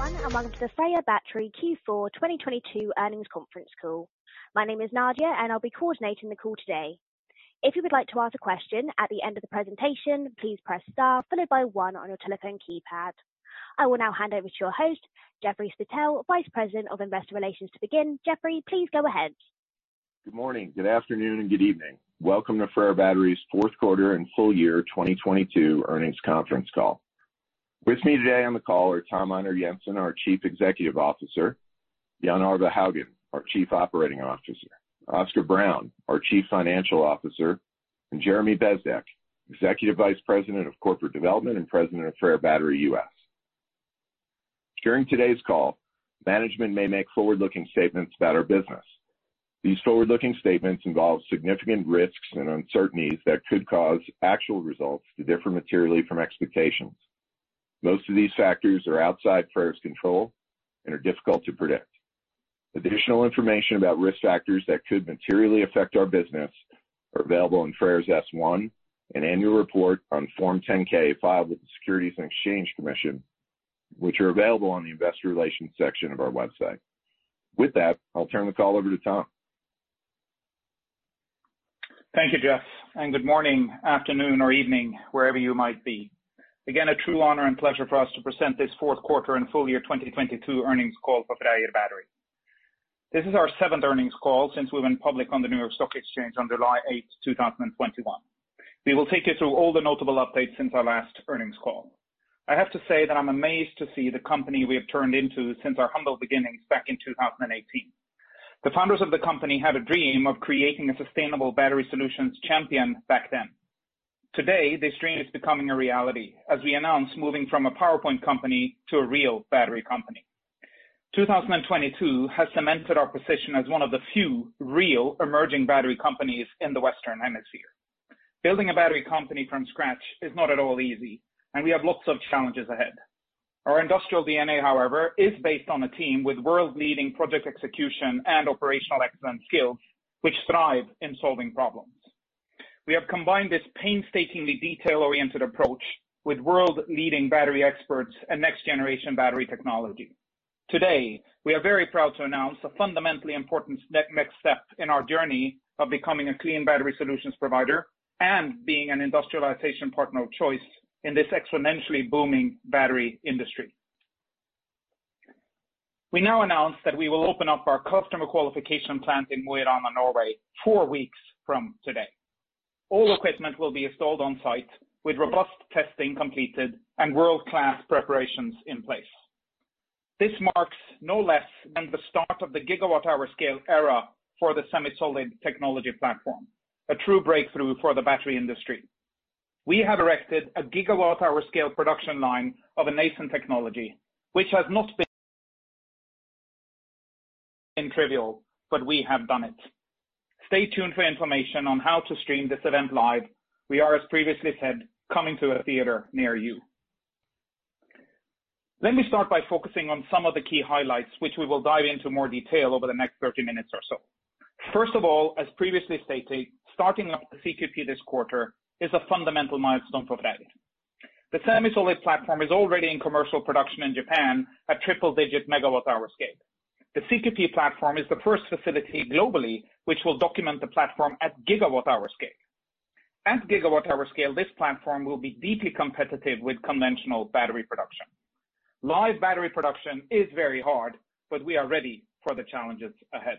Welcome to the FREYR Battery Q4 2022 Earnings Conference Call. My name is Nadia, I'll be coordinating the call today. If you would like to ask a question at the end of the presentation, please press star followed by one on your telephone keypad. I will now hand over to your host, Jeffrey Spittel, Vice President of Investor Relations to begin. Jeffrey, please go ahead. Good morning, good afternoon, and good evening. Welcome to FREYR Battery's fourth quarter and full year 2022 earnings conference call. With me today on the call are Tom Einar Jensen, our Chief Executive Officer, Jan Arve Haugan, our Chief Operating Officer, Oskar Brown, our Chief Financial Officer, and Jeremy Bezdek, Executive Vice President of Corporate Development and President of FREYR Battery US. During today's call, management may make forward-looking statements about our business. These forward-looking statements involve significant risks and uncertainties that could cause actual results to differ materially from expectations. Most of these factors are outside FREYR's control and are difficult to predict. Additional information about risk factors that could materially affect our business are available in FREYR's S-1 and annual report on Form 10-K filed with the Securities and Exchange Commission, which are available on the investor relations section of our website. With that, I'll turn the call over to Tom. Thank you, Jeffrey. Good morning, afternoon or evening, wherever you might be. Again, a true honor and pleasure for us to present this fourth quarter and full year 2022 earnings call for FREYR Battery. This is our seventh earnings call since we went public on the New York Stock Exchange on July 8th, 2021. We will take you through all the notable updates since our last earnings call. I have to say that I'm amazed to see the company we have turned into since our humble beginnings back in 2018. The founders of the company had a dream of creating a sustainable battery solutions champion back then. Today, this dream is becoming a reality as we announce moving from a PowerPoint company to a real battery company. 2022 has cemented our position as one of the few real emerging battery companies in the Western Hemisphere. Building a battery company from scratch is not at all easy. We have lots of challenges ahead. Our industrial DNA, however, is based on a team with world-leading project execution and operational excellence skills, which thrive in solving problems. We have combined this painstakingly detail-oriented approach with world-leading battery experts and next generation battery technology. Today, we are very proud to announce a fundamentally important next step in our journey of becoming a clean battery solutions provider and being an industrialization partner of choice in this exponentially booming battery industry. We now announce that we will open up our Customer Qualification Plant in Mo i Rana, Norway, 4 weeks from today. All equipment will be installed on site with robust testing completed and world-class preparations in place. This marks no less than the start of the gigawatt-hour scale era for the Semi-Solid platform, a true breakthrough for the battery industry. We have erected a gigawatt-hour scale production line of a nascent technology, which has not been in trivial. We have done it. Stay tuned for information on how to stream this event live. We are, as previously said, coming to a theater near you. Let me start by focusing on some of the key highlights, which we will dive into more detail over the next 30 minutes or so. First of all, as previously stated, starting up the CQP this quarter is a fundamental milestone for FREYR. The Semi-Solid platform is already in commercial production in Japan at triple digit megawatt-hour scale. The CQP platform is the first facility globally, which will document the platform at gigawatt-hour scale. At gigawatt-hour scale, this platform will be deeply competitive with conventional battery production. Live battery production is very hard, but we are ready for the challenges ahead.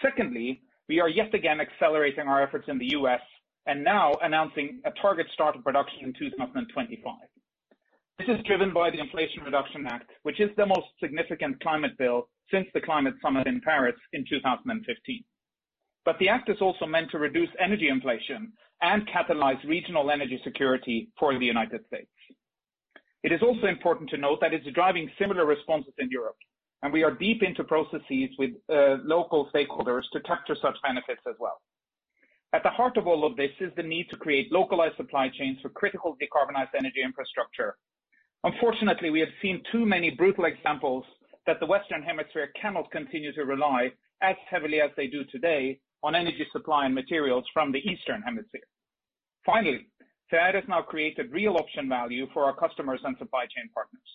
Secondly, we are yet again accelerating our efforts in the U.S. and now announcing a target start of production in 2025. This is driven by the Inflation Reduction Act, which is the most significant climate bill since the Climate Summit in Paris in 2015. The act is also meant to reduce energy inflation and catalyze regional energy security for the United States. It is also important to note that it's driving similar responses in Europe, and we are deep into processes with local stakeholders to capture such benefits as well. At the heart of all of this is the need to create localized supply chains for critical decarbonized energy infrastructure. Unfortunately, we have seen too many brutal examples that the Western Hemisphere cannot continue to rely as heavily as they do today on energy supply and materials from the Eastern Hemisphere. Finally, FREYR has now created real option value for our customers and supply chain partners.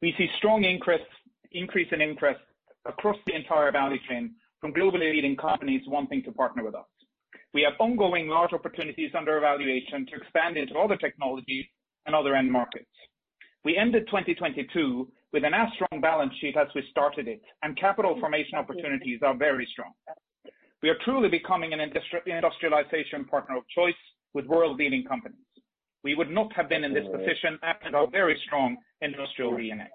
We see strong increase in interest across the entire value chain from globally leading companies wanting to partner with us. We have ongoing large opportunities under evaluation to expand into other technologies and other end markets. We ended 2022 with an as strong balance sheet as we started it, and capital formation opportunities are very strong. We are truly becoming an industrialization partner of choice with world-leading companies. We would not have been in this position without our very strong industrial DNA.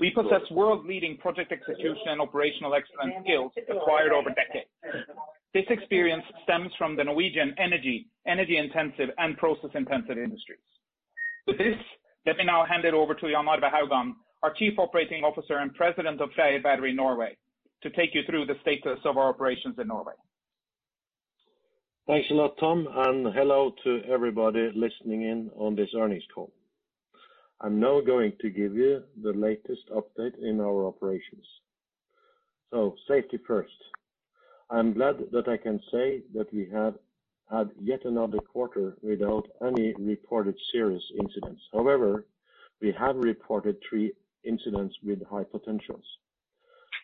We possess world-leading project execution and operational excellence skills acquired over decades. This experience stems from the Norwegian energy intensive and process intensive industries. With this, let me now hand it over to Jan Arve Haugan, our Chief Operating Officer and President of FREYR Battery Norway, to take you through the status of our operations in Norway. Thanks a lot, Tom Einar. Hello to everybody listening in on this earnings call. I'm now going to give you the latest update in our operations. Safety first. I'm glad that I can say that we have had yet another quarter without any reported serious incidents. However, we have reported three incidents with high potentials,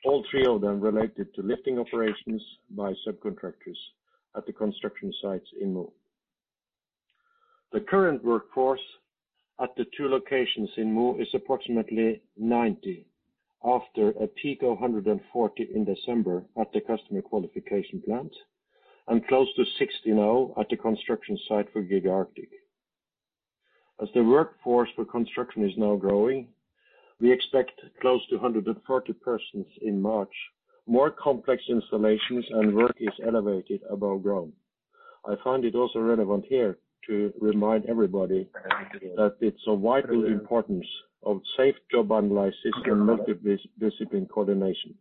all three of them related to lifting operations by subcontractors at the construction sites in Mo. The current workforce at the two locations in Mo is approximately 90 after a peak of 140 in December at the Customer Qualification Plant and close to 60 now at the construction site for Giga Arctic. As the workforce for construction is now growing, we expect close to 140 persons in March. More complex installations and work is elevated above ground. I find it also relevant here to remind everybody that it's of vital importance of safe job-analyzed system, multidiscipline coordination.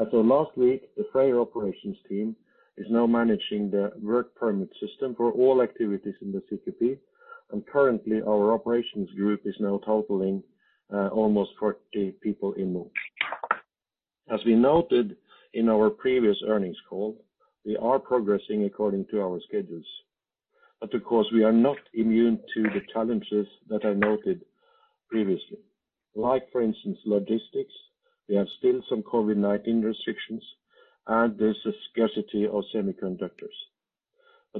As of last week, the FREYR operations team is now managing the work permit system for all activities in the CQP. Currently, our operations group is now totaling almost 40 people in Mo. As we noted in our previous earnings call, we are progressing according to our schedules. Of course, we are not immune to the challenges that I noted previously. Like for instance, logistics, we have still some COVID-19 restrictions. There's a scarcity of semiconductors.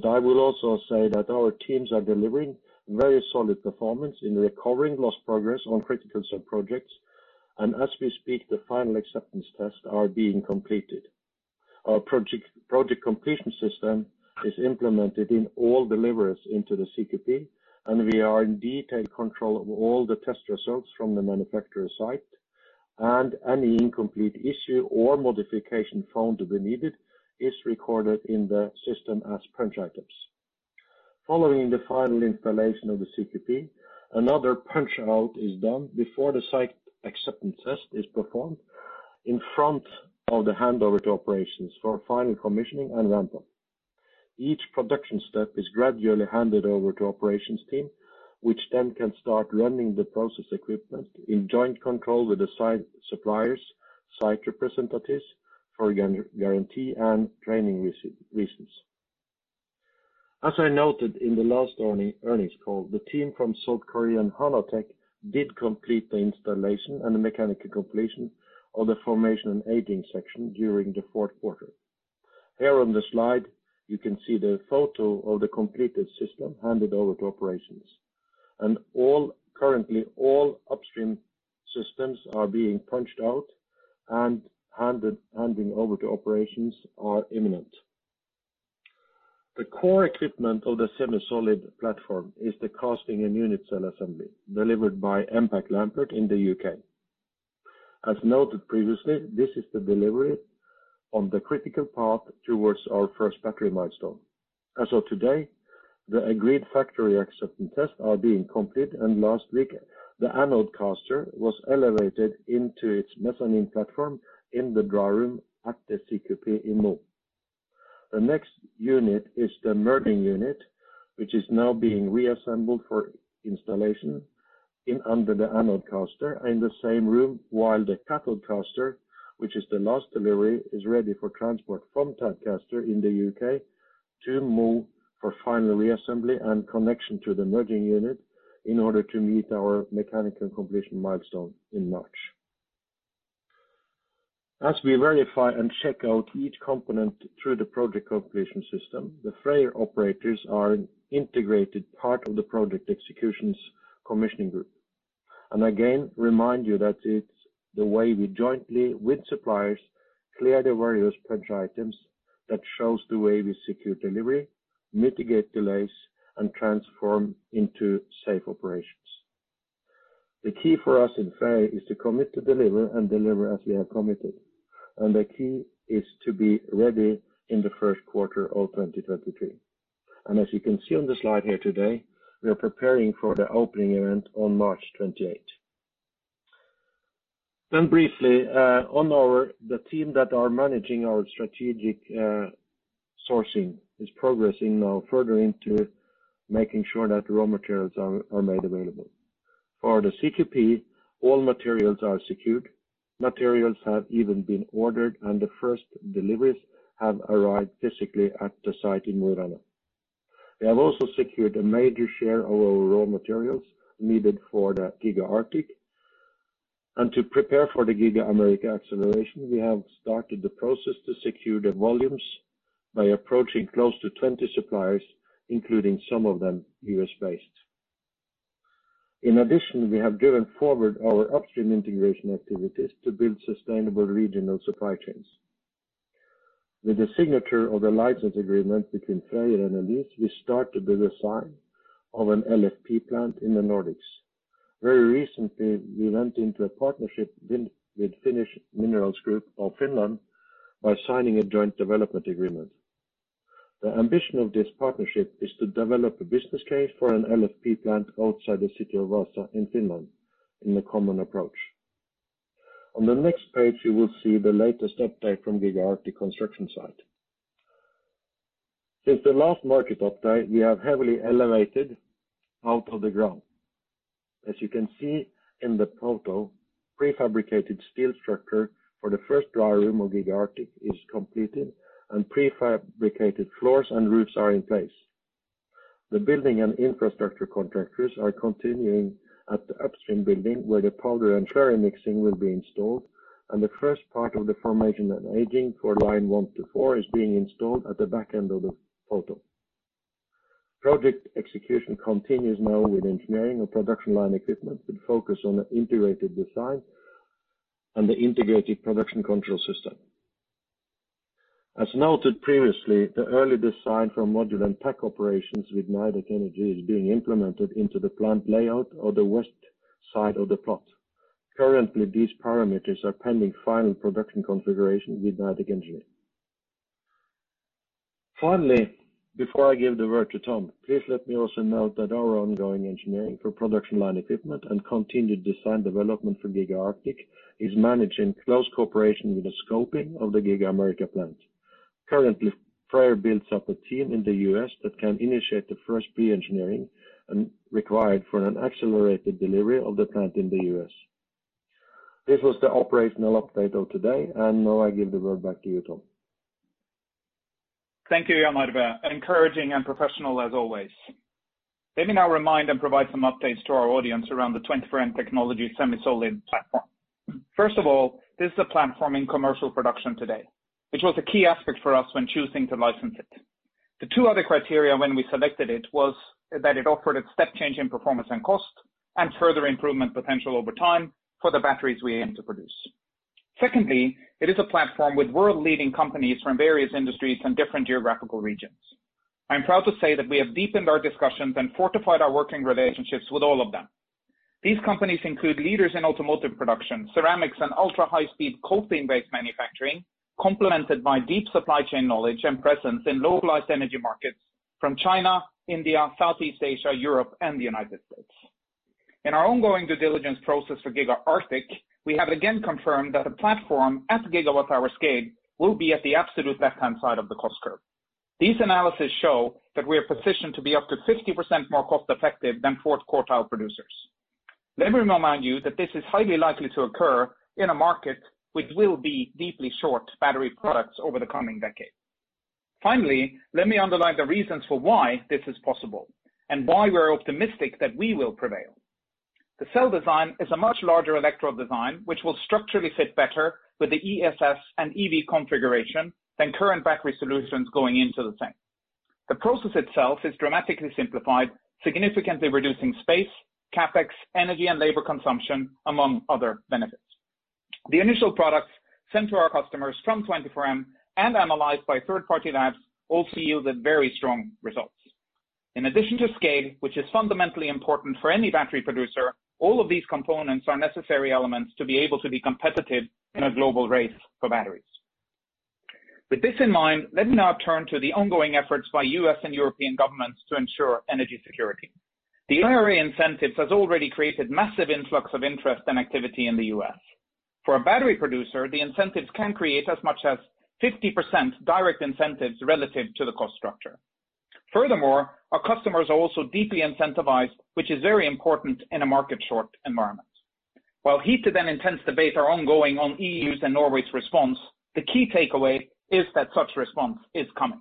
I will also say that our teams are delivering very solid performance in recovering lost progress on critical sub-projects. As we speak, the final acceptance tests are being completed. Our project completion system is implemented in all deliveries into the CQP. We are in detailed control of all the test results from the manufacturer site. Any incomplete issue or modification found to be needed is recorded in the system as punch items. Following the final installation of the CQP, another punch out is done before the site acceptance test is performed in front of the handover to operations for final commissioning and ramp-up. Each production step is gradually handed over to operations team, which then can start running the process equipment in joint control with the site suppliers, site representatives for guarantee and training reasons. As I noted in the last earnings call, the team from South Korean Hana Technology did complete the installation and the mechanical completion of the formation and aging section during the fourth quarter. Here on the slide you can see the photo of the completed system handed over to operations. Currently all upstream systems are being punched out and handing over to operations are imminent. The core equipment of the Semi-Solid platform is the casting and unit cell assembly delivered by Mpac Lambert in the U.K. As noted previously, this is the delivery on the critical path towards our first factory milestone. As of today, the agreed factory acceptance tests are being completed, and last week, the anode caster was elevated into its mezzanine platform in the dry room at the CQP in Mo. The next unit is the merging unit, which is now being reassembled for installation in under the anode caster in the same room, while the cathode caster, which is the last delivery, is ready for transport from Tadcaster in the U.K. to Mo for final reassembly and connection to the merging unit in order to meet our mechanical completion milestone in March. As we verify and check out each component through the project completion system, the FREYR operators are an integrated part of the project executions commissioning group. Again, remind you that it's the way we jointly with suppliers clear the various punch items that shows the way we secure delivery, mitigate delays, and transform into safe operations. The key for us in FREYR is to commit to deliver and deliver as we have committed, the key is to be ready in the first quarter of 2023. As you can see on the slide here today, we are preparing for the opening event on March 28. Briefly, the team that are managing our strategic sourcing is progressing now further into making sure that raw materials are made available. For the CQP, all materials are secured. Materials have even been ordered, and the first deliveries have arrived physically at the site in Mo i Rana. We have also secured a major share of our raw materials needed for the Giga Arctic. To prepare for the Giga America acceleration, we have started the process to secure the volumes by approaching close to 20 suppliers, including some of them US-based. In addition, we have driven forward our upstream integration activities to build sustainable regional supply chains. With the signature of the license agreement between FREYR and Aleees, we start to build a site of an LFP plant in the Nordics. Very recently, we went into a partnership with Finnish Minerals Group of Finland by signing a joint development agreement. The ambition of this partnership is to develop a business case for an LFP plant outside the city of Vaasa in Finland in a common approach. On the next page, you will see the latest update from Giga Arctic construction site. Since the last market update, we have heavily elevated out of the ground. As you can see in the photo, prefabricated steel structure for the first dry room of Giga Arctic is completed, and prefabricated floors and roofs are in place. The building and infrastructure contractors are continuing at the upstream building, where the powder and slurry mixing will be installed, and the first part of the formation and aging for line one to four is being installed at the back end of the photo. Project execution continues now with engineering and production line equipment with focus on the integrated design and the integrated production control system. As noted previously, the early design for module and pack operations with Nidec Energy AS is being implemented into the plant layout of the west side of the plot. Currently, these parameters are pending final production configuration with Nidec Energy. Finally, before I give the word to Tom, please let me also note that our ongoing engineering for production line equipment and continued design development for Giga Arctic is managed in close cooperation with the scoping of the Giga America plant. Currently, FREYR builds up a team in the U.S. that can initiate the first pre-engineering and required for an accelerated delivery of the plant in the U.S. This was the operational update of today, and now I give the word back to you, Tom. Thank you, Jan Arve. Encouraging and professional as always. Let me now remind and provide some updates to our audience around the 24M technology Semi-Solid platform. First of all, this is a platform in commercial production today, which was a key aspect for us when choosing to license it. The two other criteria when we selected it was that it offered a step change in performance and cost and further improvement potential over time for the batteries we aim to produce. Secondly, it is a platform with world-leading companies from various industries and different geographical regions. I am proud to say that we have deepened our discussions and fortified our working relationships with all of them. These companies include leaders in automotive production, ceramics, and ultra-high-speed coating-based manufacturing, complemented by deep supply chain knowledge and presence in localized energy markets from China, India, Southeast Asia, Europe, and the United States. In our ongoing due diligence process for Giga Arctic, we have again confirmed that a platform at gigawatt-hour scale will be at the absolute left-hand side of the cost curve. These analysis show that we are positioned to be up to 50% more cost effective than fourth quartile producers. Let me remind you that this is highly likely to occur in a market which will be deeply short battery products over the coming decade. Let me underline the reasons for why this is possible and why we are optimistic that we will prevail. The cell design is a much larger electrode design, which will structurally fit better with the ESS and EV configuration than current battery solutions going into the thing. The process itself is dramatically simplified, significantly reducing space, CapEx, energy, and labor consumption, among other benefits. The initial products sent to our customers from 24M and analyzed by third-party labs all yielded very strong results. In addition to scale, which is fundamentally important for any battery producer, all of these components are necessary elements to be able to be competitive in a global race for batteries. With this in mind, let me now turn to the ongoing efforts by U.S. and European governments to ensure energy security. The IRA incentives has already created massive influx of interest and activity in the U.S. For a battery producer, the incentives can create as much as 50% direct incentives relative to the cost structure. Our customers are also deeply incentivized, which is very important in a market short environment. While heated and intense debates are ongoing on E.U.'s and Norway's response, the key takeaway is that such response is coming.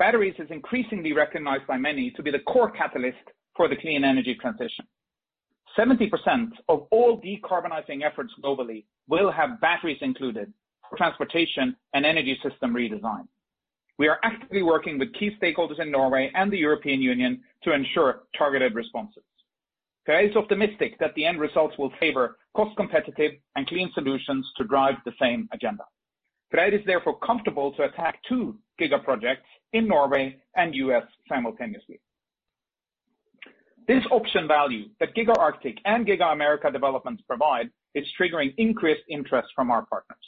Batteries is increasingly recognized by many to be the core catalyst for the clean energy transition. 70% of all decarbonizing efforts globally will have batteries included for transportation and energy system redesign. We are actively working with key stakeholders in Norway and the European Union to ensure targeted responses. FREYR is optimistic that the end results will favor cost-competitive and clean solutions to drive the same agenda. FREYR is therefore comfortable to attack two giga projects in Norway and U.S. simultaneously. This option value that Giga Arctic and Giga America developments provide is triggering increased interest from our partners.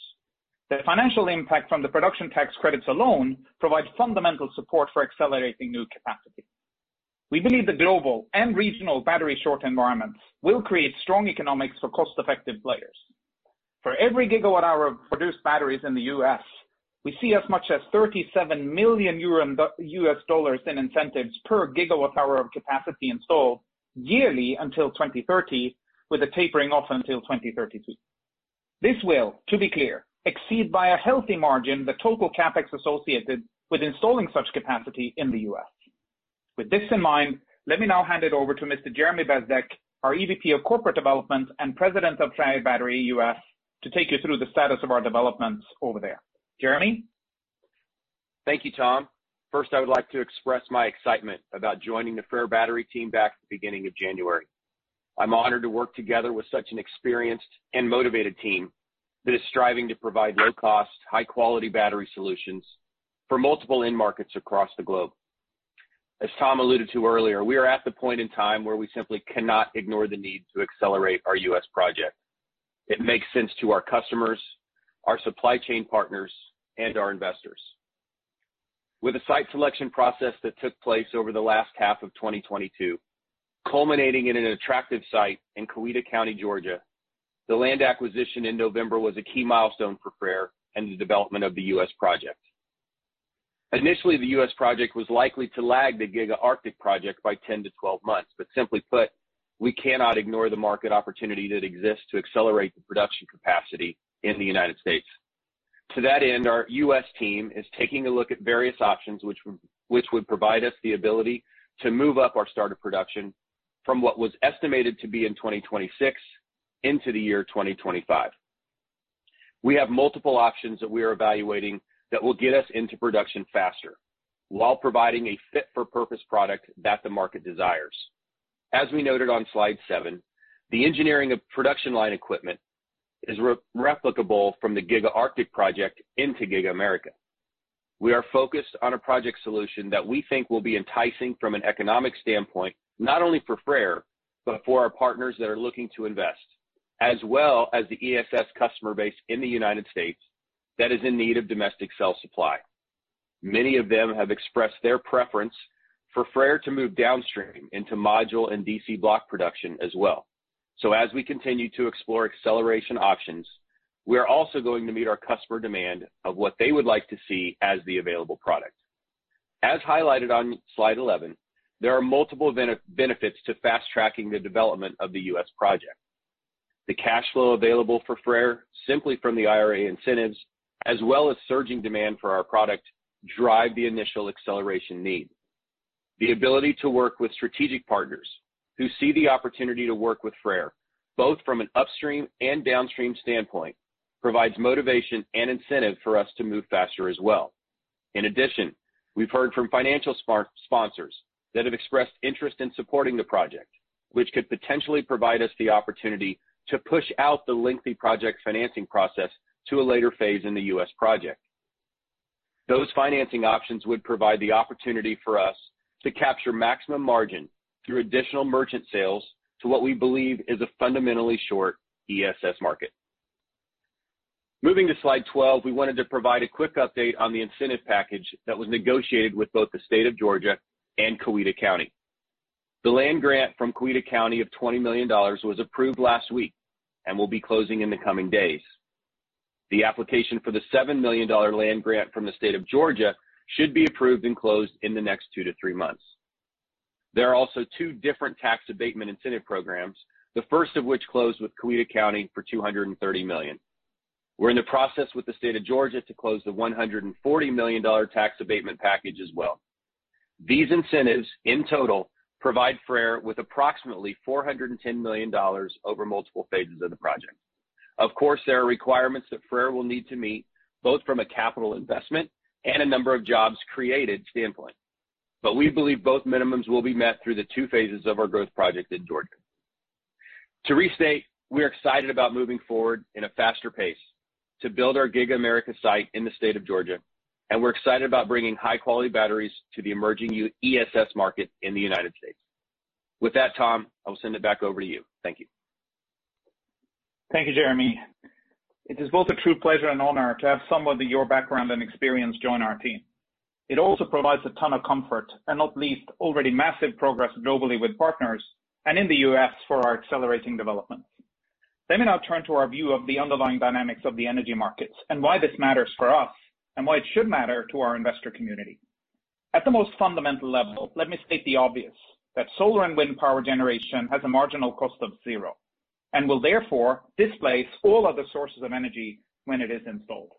The financial impact from the production tax credits alone provides fundamental support for accelerating new capacity. We believe the global and regional battery short environment will create strong economics for cost-effective players. For every gigawatt-hour of produced batteries in the U.S., we see as much as $37 million in incentives per gigawatt-hour of capacity installed yearly until 2030, with a tapering off until 2032. This will, to be clear, exceed by a healthy margin the total CapEx associated with installing such capacity in the U.S. With this in mind, let me now hand it over to Mr. Jeremy Bezdek, our EVP of Corporate Development and President of FREYR Battery US, to take you through the status of our developments over there. Jeremy? Thank you, Tom. First, I would like to express my excitement about joining the FREYR Battery team back at the beginning of January. I'm honored to work together with such an experienced and motivated team that is striving to provide low cost, high quality battery solutions for multiple end markets across the globe. As Tom alluded to earlier, we are at the point in time where we simply cannot ignore the need to accelerate our U.S. project. It makes sense to our customers, our supply chain partners, and our investors. With a site selection process that took place over the last half of 2022- Culminating in an attractive site in Coweta County, Georgia, the land acquisition in November was a key milestone for FREYR and the development of the U.S. project. Initially, the U.S. project was likely to lag the Giga Arctic project by 10-12 months, but simply put, we cannot ignore the market opportunity that exists to accelerate the production capacity in the United States. To that end, our U.S. team is taking a look at various options which would provide us the ability to move up our start of production from what was estimated to be in 2026 into the year 2025. We have multiple options that we are evaluating that will get us into production faster while providing a fit for purpose product that the market desires. As we noted on slide seven, the engineering of production line equipment is replicable from the Giga Arctic project into Giga America. We are focused on a project solution that we think will be enticing from an economic standpoint, not only for FREYR, but for our partners that are looking to invest, as well as the ESS customer base in the United States that is in need of domestic cell supply. Many of them have expressed their preference for FREYR to move downstream into module and DC block production as well. As we continue to explore acceleration options, we are also going to meet our customer demand of what they would like to see as the available product. As highlighted on slide 11, there are multiple benefits to fast-tracking the development of the U.S. project. The cash flow available for FREYR simply from the IRA incentives, as well as surging demand for our product drive the initial acceleration need. The ability to work with strategic partners who see the opportunity to work with FREYR, both from an upstream and downstream standpoint, provides motivation and incentive for us to move faster as well. We've heard from financial sponsors that have expressed interest in supporting the project, which could potentially provide us the opportunity to push out the lengthy project financing process to a later phase in the U.S. project. Those financing options would provide the opportunity for us to capture maximum margin through additional merchant sales to what we believe is a fundamentally short ESS market. Moving to slide 12, we wanted to provide a quick update on the incentive package that was negotiated with both the state of Georgia and Coweta County. The land grant from Coweta County of $20 million was approved last week and will be closing in the coming days. The application for the $7 million land grant from the state of Georgia should be approved and closed in the next two to three months. There are also two different tax abatement incentive programs, the first of which closed with Coweta County for $230 million. We're in the process with the state of Georgia to close the $140 million tax abatement package as well. These incentives in total provide FREYR with approximately $410 million over multiple phases of the project. Of course, there are requirements that FREYR will need to meet, both from a capital investment and a number of jobs created standpoint. We believe both minimums will be met through the two phases of our growth project in Georgia. To restate, we're excited about moving forward in a faster pace to build our Giga America site in the state of Georgia, and we're excited about bringing high quality batteries to the emerging U.S. ESS market in the United States. With that, Tom, I will send it back over to you. Thank you. Thank you, Jeremy. It is both a true pleasure and honor to have someone with your background and experience join our team. It also provides a ton of comfort, and not least already massive progress globally with partners and in the U.S. for our accelerating development. Let me now turn to our view of the underlying dynamics of the energy markets and why this matters for us and why it should matter to our investor community. At the most fundamental level, let me state the obvious, that solar and wind power generation has a marginal cost of 0 and will therefore displace all other sources of energy when it is installed.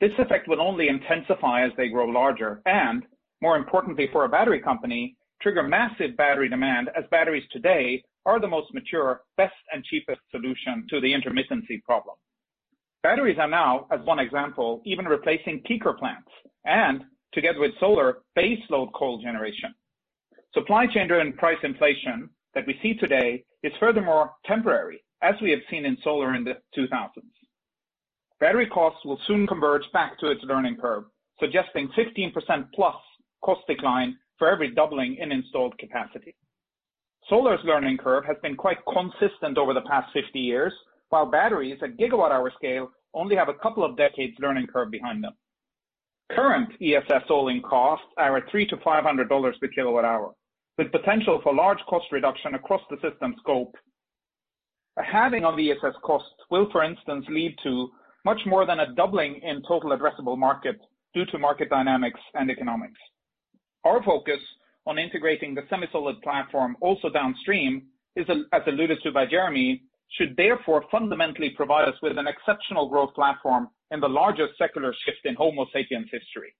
This effect will only intensify as they grow larger, and more importantly for a battery company, trigger massive battery demand as batteries today are the most mature, best and cheapest solution to the intermittency problem. Batteries are now, as one example, even replacing peaker plants and together with solar baseload coal generation. Supply chain and price inflation that we see today is furthermore temporary, as we have seen in solar in the 2000s. Battery costs will soon converge back to its learning curve, suggesting 15%+ cost decline for every doubling in installed capacity. Solar's learning curve has been quite consistent over the past 50 years, while batteries at gigawatt-hour scale only have a couple of decades learning curve behind them. Current ESS all-in costs are at $300-$500 per kWh, with potential for large cost reduction across the system scope. A halving of ESS costs will, for instance, lead to much more than a doubling in total addressable market due to market dynamics and economics. Our focus on integrating the Semi-Solid platform also downstream is, as alluded to by Jeremy, should therefore fundamentally provide us with an exceptional growth platform in the largest secular shift in Homo sapiens history.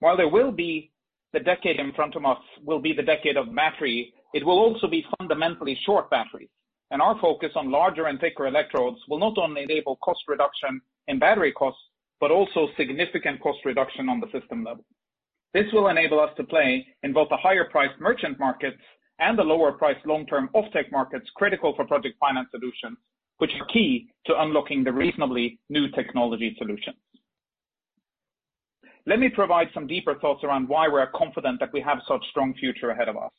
While there will be the decade in front of us will be the decade of battery, it will also be fundamentally short batteries, and our focus on larger and thicker electrodes will not only enable cost reduction in battery costs, but also significant cost reduction on the system level. This will enable us to play in both the higher priced merchant markets and the lower priced long-term offtake markets critical for project finance solutions, which are key to unlocking the reasonably new technology solutions. Let me provide some deeper thoughts around why we are confident that we have such strong future ahead of us.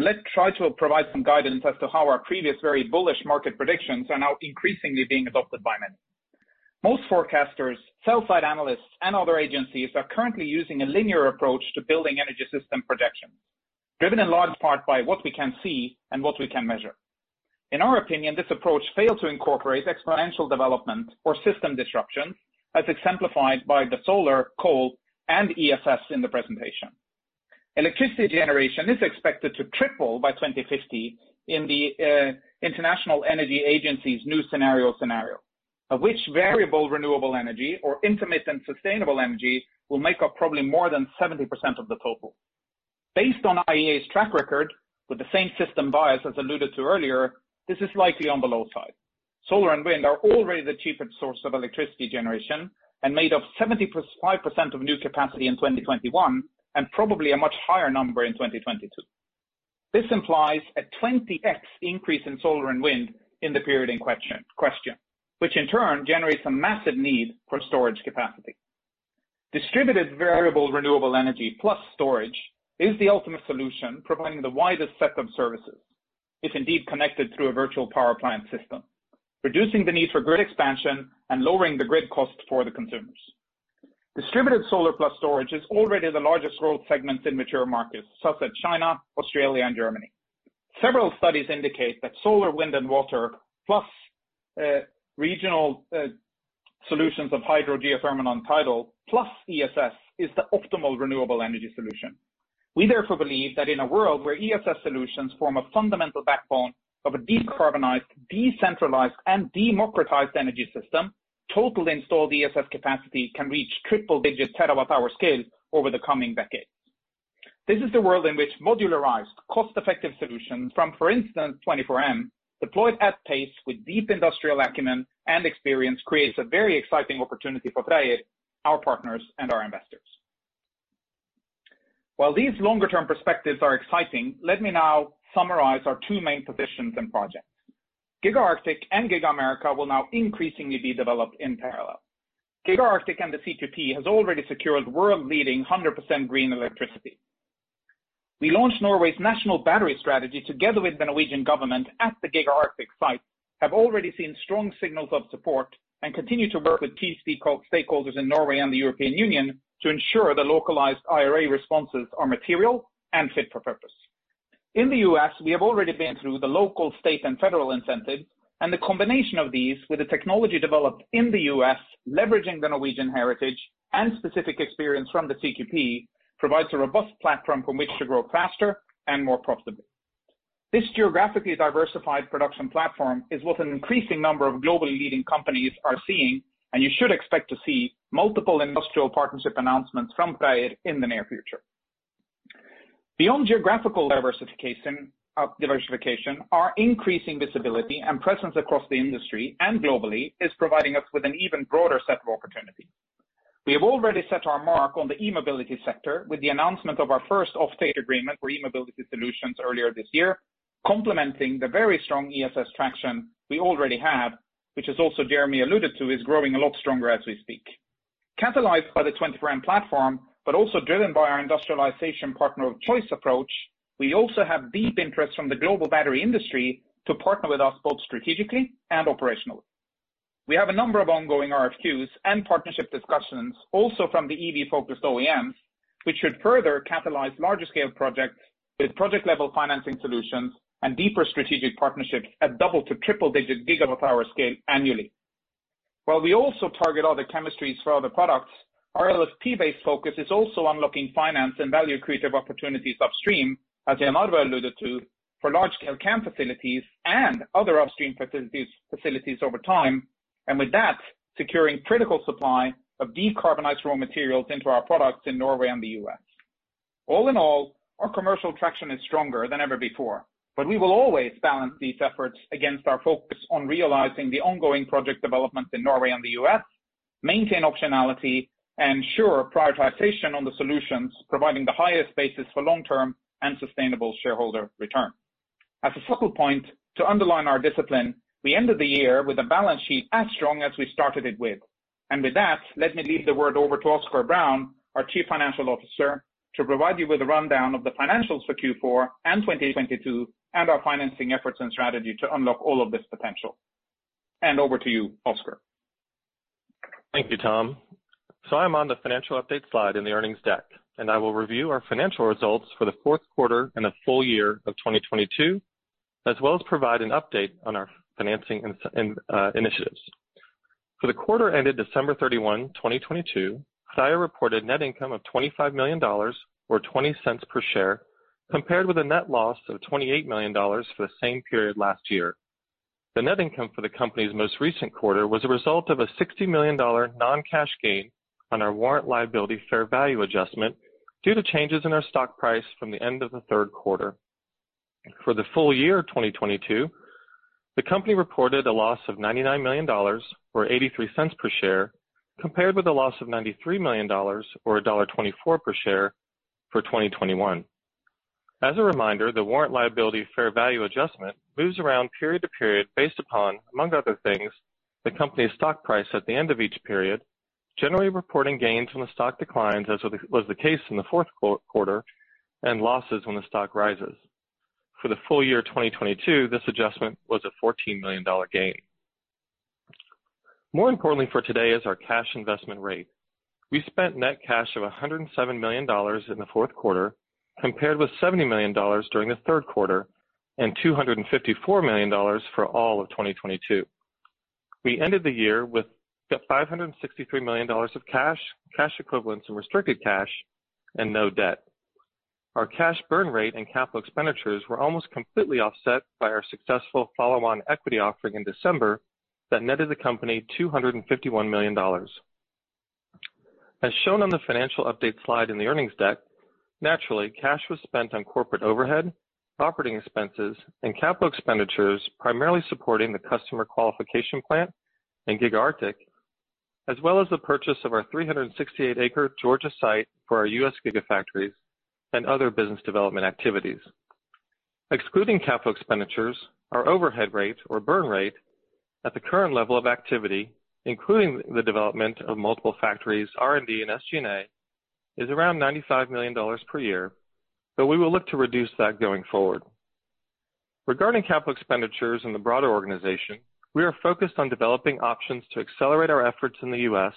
Let's try to provide some guidance as to how our previous very bullish market predictions are now increasingly being adopted by many. Most forecasters, sell side analysts and other agencies are currently using a linear approach to building energy system projections, driven in large part by what we can see and what we can measure. In our opinion, this approach failed to incorporate exponential development or system disruption, as exemplified by the solar, coal, and ESS in the presentation. Electricity generation is expected to triple by 2050 in the International Energy Agency's new scenario, of which variable renewable energy or intermittent sustainable energy will make up probably more than 70% of the total. Based on IEA's track record with the same system bias as alluded to earlier, this is likely on the low side. Solar and wind are already the cheapest source of electricity generation and made up 75% of new capacity in 2021, and probably a much higher number in 2022. This implies a 20x increase in solar and wind in the period in question, which in turn generates a massive need for storage capacity. Distributed variable renewable energy plus storage is the ultimate solution, providing the widest set of services if indeed connected through a virtual power plant system, reducing the need for grid expansion and lowering the grid costs for the consumers. Distributed solar plus storage is already the largest growth segments in mature markets such as China, Australia and Germany. Several studies indicate that solar, wind and water plus regional solutions of hydro, geothermal and tidal plus ESS is the optimal renewable energy solution. We therefore believe that in a world where ESS solutions form a fundamental backbone of a decarbonized, decentralized, and democratized energy system, total installed ESS capacity can reach triple-digit terawatt power scale over the coming decades. This is the world in which modularized cost-effective solutions from, for instance, 24M, deployed at pace with deep industrial acumen and experience, creates a very exciting opportunity for FREYR, our partners and our investors. While these longer term perspectives are exciting, let me now summarize our two main positions and projects. Giga Arctic and Giga America will now increasingly be developed in parallel. Giga Arctic and the CQP has already secured world-leading 100% green electricity. We launched Norway's national battery strategy together with the Norwegian government at the Giga Arctic site, have already seen strong signals of support and continue to work with key stakeholders in Norway and the European Union to ensure the localized IRA responses are material and fit for purpose. In the U.S., we have already been through the local, state and federal incentives and the combination of these with the technology developed in the U.S., leveraging the Norwegian heritage and specific experience from the CQP, provides a robust platform from which to grow faster and more profitably. This geographically diversified production platform is what an increasing number of globally leading companies are seeing, you should expect to see multiple industrial partnership announcements from FREYR in the near future. Beyond geographical diversification, our increasing visibility and presence across the industry and globally is providing us with an even broader set of opportunities. We have already set our mark on the e-mobility sector with the announcement of our first offtake agreement for e-mobility solutions earlier this year, complementing the very strong ESS traction we already have, which is also Jeremy alluded to, is growing a lot stronger as we speak. Catalyzed by the 24M platform but also driven by our industrialization partner of choice approach, we also have deep interest from the global battery industry to partner with us both strategically and operationally. We have a number of ongoing RFQs and partnership discussions also from the EV focused OEMs, which should further catalyze larger scale projects with project level financing solutions and deeper strategic partnerships at double to triple-digit gigawatt power scale annually. While we also target other chemistries for other products, our LFP-based focus is also unlocking finance and value creative opportunities upstream, as Jan Arve alluded to, for large scale CAM facilities and other upstream facilities over time. With that, securing critical supply of decarbonized raw materials into our products in Norway and the U.S. All in all, our commercial traction is stronger than ever before. We will always balance these efforts against our focus on realizing the ongoing project developments in Norway and the U.S., maintain optionality and ensure prioritization on the solutions providing the highest basis for long-term and sustainable shareholder return. As a focal point to underline our discipline, we ended the year with a balance sheet as strong as we started it with. With that, let me leave the word over to Oskar Brown, our Chief Financial Officer, to provide you with a rundown of the financials for Q4 and 2022, and our financing efforts and strategy to unlock all of this potential. Hand over to you, Oskar. Thank you, Tom. I'm on the financial update slide in the earnings deck, and I will review our financial results for the fourth quarter and the full year of 2022, as well as provide an update on our financing and initiatives. For the quarter ended December 31, 2022, FREYR reported net income of $25 million or $0.20 per share, compared with a net loss of $28 million for the same period last year. The net income for the company's most recent quarter was a result of a $60 million non-cash gain on our warrant liability fair value adjustment due to changes in our stock price from the end of the third quarter. For the full year 2022, the company reported a loss of $99 million or $0.83 per share, compared with a loss of $93 million or $1.24 per share for 2021. As a reminder, the warrant liability fair value adjustment moves around period to period based upon, among other things, the company's stock price at the end of each period, generally reporting gains when the stock declines, as was the case in the fourth quarter, and losses when the stock rises. For the full year 2022, this adjustment was a $14 million gain. More importantly for today is our cash investment rate. We spent net cash of $107 million in the fourth quarter, compared with $70 million during the third quarter and $254 million for all of 2022. We ended the year with the $563 million of cash equivalents, and restricted cash and no debt. Our cash burn rate and capital expenditures were almost completely offset by our successful follow-on equity offering in December that netted the company $251 million. As shown on the financial update slide in the earnings deck, naturally, cash was spent on corporate overhead, operating expenses, and capital expenditures, primarily supporting the Customer Qualification Plant and Giga Arctic, as well as the purchase of our 368 acre Georgia site for our U.S. gigafactories and other business development activities. Excluding capital expenditures, our overhead rate or burn rate at the current level of activity, including the development of multiple factories, R&D, and SG&A, is around $95 million per year, we will look to reduce that going forward. Regarding capital expenditures in the broader organization, we are focused on developing options to accelerate our efforts in the U.S.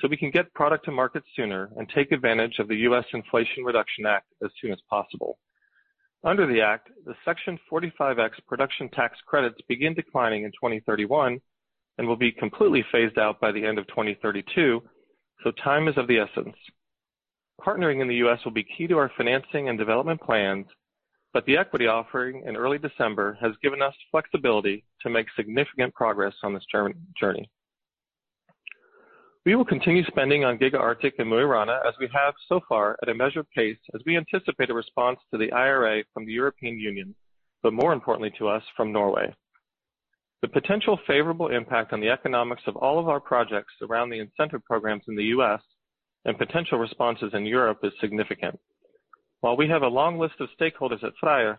so we can get product to market sooner and take advantage of the U.S. Inflation Reduction Act as soon as possible. Under the act, the Section 45X production tax credits begin declining in 2031 and will be completely phased out by the end of 2032. Time is of the essence. Partnering in the U.S. will be key to our financing and development plans. The equity offering in early December has given us flexibility to make significant progress on this journey. We will continue spending on Giga Arctic and Mo i Rana as we have so far at a measured pace as we anticipate a response to the IRA from the European Union. More importantly to us, from Norway. The potential favorable impact on the economics of all of our projects around the incentive programs in the U.S. and potential responses in Europe is significant. While we have a long list of stakeholders at Saia,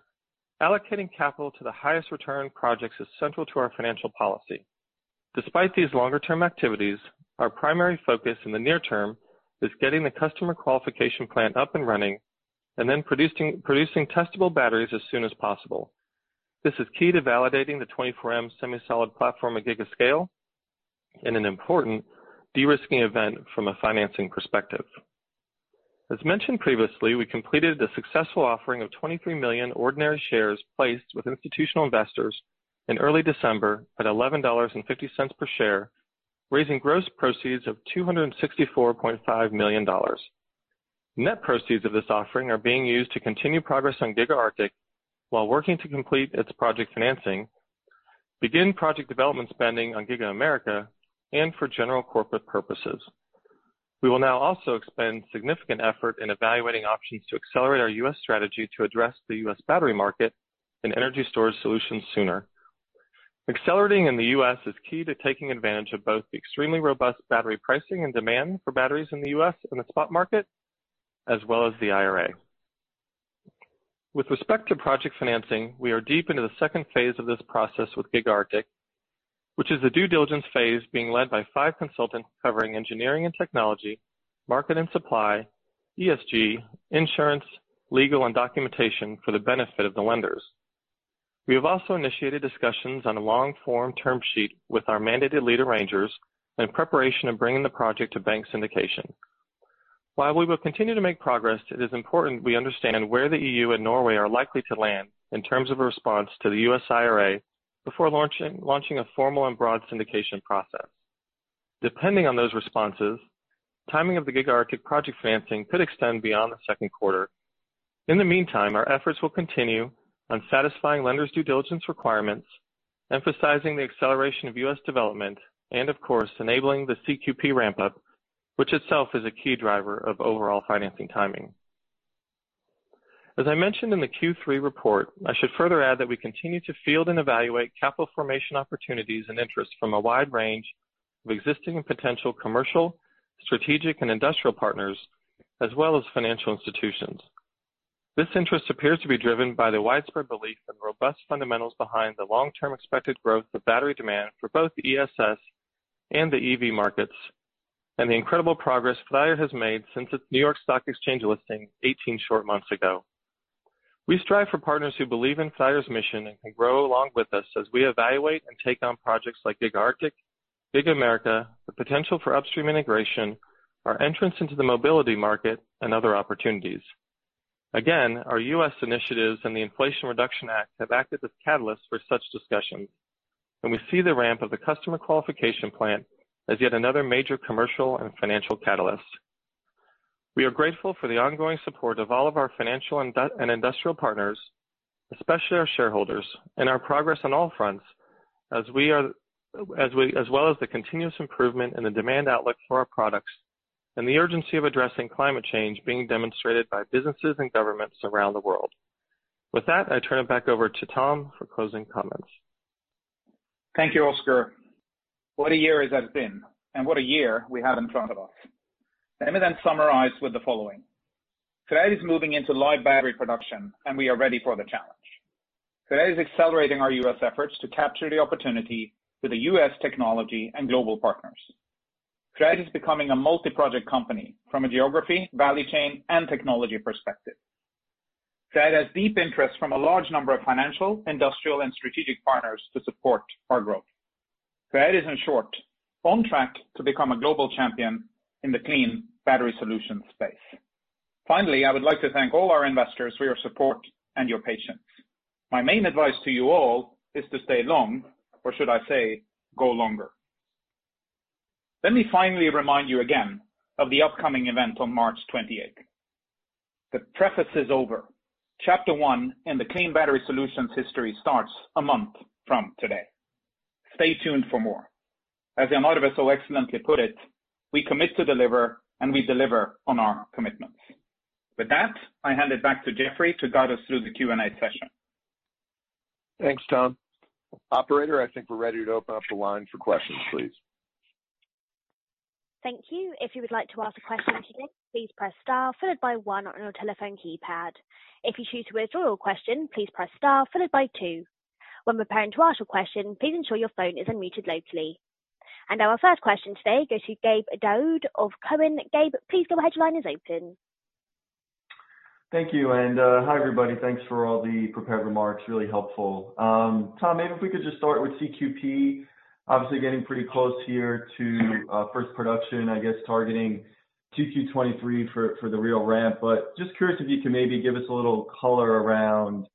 allocating capital to the highest return projects is central to our financial policy. Despite these longer-term activities, our primary focus in the near term is getting the Customer Qualification Plant up and running and then producing testable batteries as soon as possible. This is key to validating the 24M Semi-Solid platform at giga scale and an important de-risking event from a financing perspective. As mentioned previously, we completed a successful offering of 23 million ordinary shares placed with institutional investors in early December at $11.50 per share, raising gross proceeds of $264.5 million. Net proceeds of this offering are being used to continue progress on Giga Arctic while working to complete its project financing, begin project development spending on Giga America, and for general corporate purposes. We will now also expend significant effort in evaluating options to accelerate our U.S. strategy to address the U.S. battery market and energy storage solutions sooner. Accelerating in the U.S. is key to taking advantage of both the extremely robust battery pricing and demand for batteries in the U.S. in the spot market, as well as the IRA. With respect to project financing, we are deep into the second phase of this process with Giga Arctic, which is a due diligence phase being led by five consultants covering engineering and technology, market and supply, ESG, insurance, legal, and documentation for the benefit of the lenders. We have also initiated discussions on a long-form term sheet with our mandated lead arrangers in preparation of bringing the project to bank syndication. While we will continue to make progress, it is important we understand where the EU and Norway are likely to land in terms of a response to the U.S. IRA before launching a formal and broad syndication process. Depending on those responses, timing of the Giga Arctic project financing could extend beyond the second quarter. In the meantime, our efforts will continue on satisfying lenders' due diligence requirements, emphasizing the acceleration of U.S. development and, of course, enabling the CQP ramp-up, which itself is a key driver of overall financing timing. As I mentioned in the Q3 report, I should further add that we continue to field and evaluate capital formation opportunities and interest from a wide range of existing potential commercial, strategic, and industrial partners, as well as financial institutions. This interest appears to be driven by the widespread belief in robust fundamentals behind the long-term expected growth of battery demand for both ESS and the EV markets, and the incredible progress FREYR has made since its New York Stock Exchange listing 18 short months ago. We strive for partners who believe in FREYR's mission and can grow along with us as we evaluate and take on projects like Giga Arctic, Giga America, the potential for upstream integration, our entrance into the mobility market, and other opportunities. Our U.S. initiatives and the Inflation Reduction Act have acted as catalysts for such discussions. We see the ramp of the Customer Qualification Plant as yet another major commercial and financial catalyst. We are grateful for the ongoing support of all of our financial and industrial partners, especially our shareholders. Our progress on all fronts as well as the continuous improvement in the demand outlook for our products and the urgency of addressing climate change being demonstrated by businesses and governments around the world. With that, I turn it back over to Tom for closing comments. Thank you, Oskar. What a year has it been. What a year we have in front of us. Let me summarize with the following. FREYR is moving into live battery production. We are ready for the challenge. FREYR is accelerating our U.S. efforts to capture the opportunity with the U.S. technology and global partners. T1 Energy is becoming a multi-project company from a geography, value chain, and technology perspective. T1 Energy has deep interest from a large number of financial, industrial, and strategic partners to support our growth. T1 Energy is in short on track to become a global champion in the clean battery solution space. Finally, I would like to thank all our investors for your support and your patience. My main advice to you all is to stay long or should I say, go longer. Let me finally remind you again of the upcoming event on March 28th. The preface is over. Chapter One in the clean battery solutions history starts a month from today. Stay tuned for more. As Armando so excellently put it, we commit to deliver, and we deliver on our commitments. With that, I hand it back to Jeffrey to guide us through the Q&A session. Thanks, Tom. Operator, I think we're ready to open up the line for questions, please. Thank you. If you would like to ask a question today, please press star followed by one on your telephone keypad. If you choose to withdraw your question, please press star followed by two. When preparing to ask your question, please ensure your phone is unmuted locally. Our first question today goes to Gabe Daoud of Cowen. Gabe, please go ahead. Your line is open. Thank you. Hi, everybody. Thanks for all the prepared remarks. Really helpful. Tom, maybe if we could just start with CQP. Obviously getting pretty close here to first production, I guess targeting Q2 2023 for the real ramp. Just curious if you can maybe give us a little color around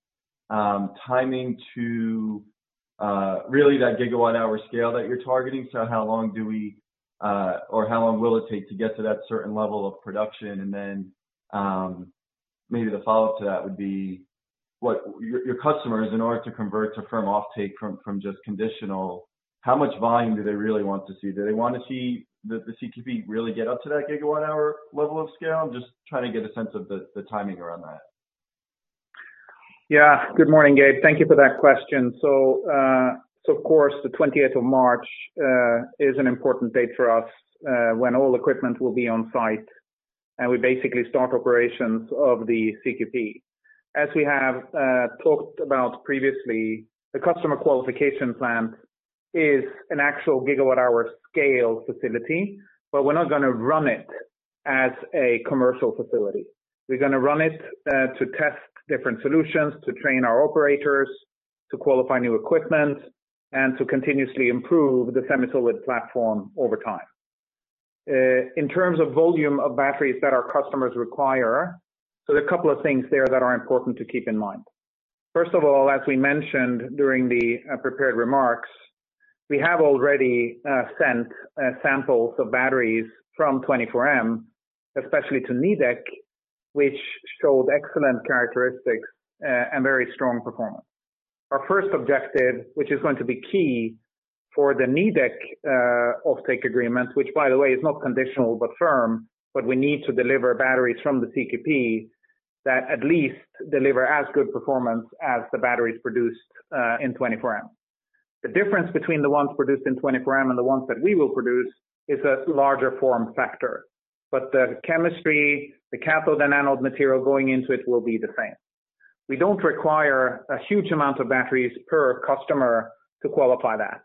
timing to really that gigawatt-hour scale that you're targeting. How long do we or how long will it take to get to that certain level of production? Maybe the follow-up to that would be what your customers in order to convert to firm offtake from just conditional, how much volume do they really want to see? Do they want to see the CQP really get up to that gigawatt-hour level of scale? I'm just trying to get a sense of the timing around that. Yeah. Good morning, Gabe. Thank you for that question. Of course, the 20th of March is an important date for us, when all equipment will be on site, and we basically start operations of the CQP. As we have talked about previously, the Customer Qualification Plant is an actual gigawatt-hour scale facility, but we're not gonna run it as a commercial facility. We're gonna run it to test different solutions, to train our operators, to qualify new equipment, and to continuously improve the Semi-Solid platform over time. In terms of volume of batteries that our customers require, so there are a couple of things there that are important to keep in mind. First of all, as we mentioned during the prepared remarks, we have already sent samples of batteries from 24M, especially to Nidec, which showed excellent characteristics and very strong performance. Our first objective, which is going to be key for the Nidec offtake agreements, which by the way, is not conditional but firm, but we need to deliver batteries from the CQP that at least deliver as good performance as the batteries produced in 24M. The difference between the ones produced in 24M and the ones that we will produce is a larger form factor. The chemistry, the cathode and anode material going into it will be the same. We don't require a huge amount of batteries per customer to qualify that.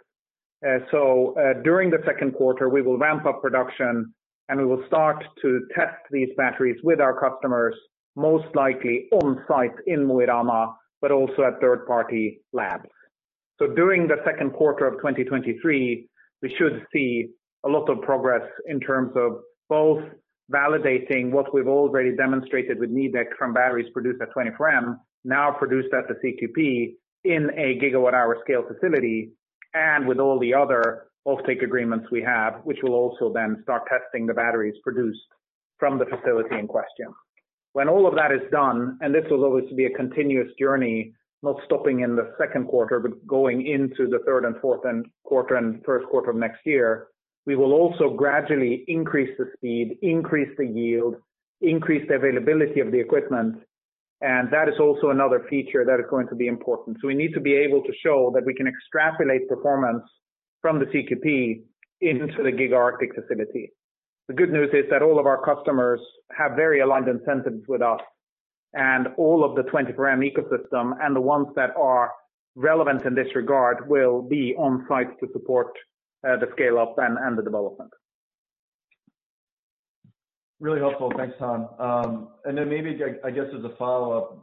During the second quarter, we will ramp up production, and we will start to test these batteries with our customers, most likely on-site in Mo i Rana, but also at third-party labs. During the second quarter of 2023, we should see a lot of progress in terms of both validating what we've already demonstrated with Nidec from batteries produced at 24M, now produced at the CQP in a gigawatt-hour scale facility, and with all the other offtake agreements we have, which will also then start testing the batteries produced from the facility in question. When all of that is done, and this will always be a continuous journey, not stopping in the second quarter, but going into the third and fourth quarter and first quarter of next year, we will also gradually increase the speed, increase the yield, increase the availability of the equipment, and that is also another feature that is going to be important. We need to be able to show that we can extrapolate performance from the CQP into the Giga Arctic facility. The good news is that all of our customers have very aligned incentives with us, and all of the 24M ecosystem and the ones that are relevant in this regard will be on site to support the scale-up and the development. Really helpful. Thanks, Tom. Maybe, I guess as a follow-up,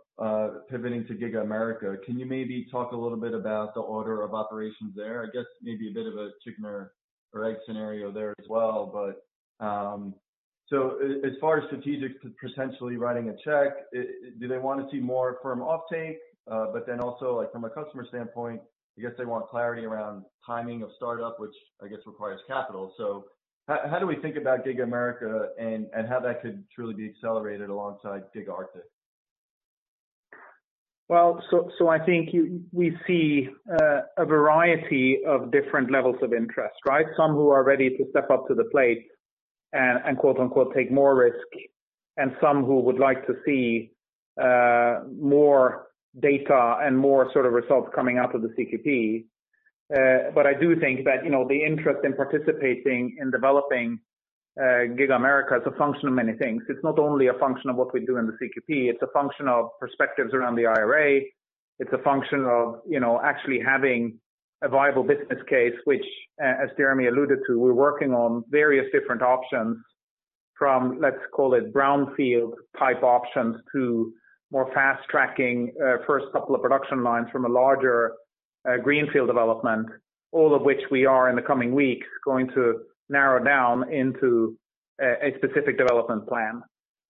pivoting to Giga America, can you maybe talk a little bit about the order of operations there? I guess maybe a bit of a chicken or egg scenario there as well. As far as strategic potentially writing a check, do they wanna see more firm offtake? Also, like from a customer standpoint, I guess they want clarity around timing of startup, which I guess requires capital. How do we think about Giga America and how that could truly be accelerated alongside Giga Arctic? I think we see a variety of different levels of interest, right? Some who are ready to step up to the plate and quote-unquote, "Take more risk," and some who would like to see more data and more sort of results coming out of the CQP. I do think that, you know, the interest in participating in developing Giga America is a function of many things. It's not only a function of what we do in the CQP, it's a function of perspectives around the IRA. It's a function of, you know, actually having a viable business case, which, as Jeremy alluded to, we're working on various different options from, let's call it, brownfield type options to more fast-tracking, first couple of production lines from a larger, greenfield development, all of which we are, in the coming weeks, going to narrow down into a specific development plan.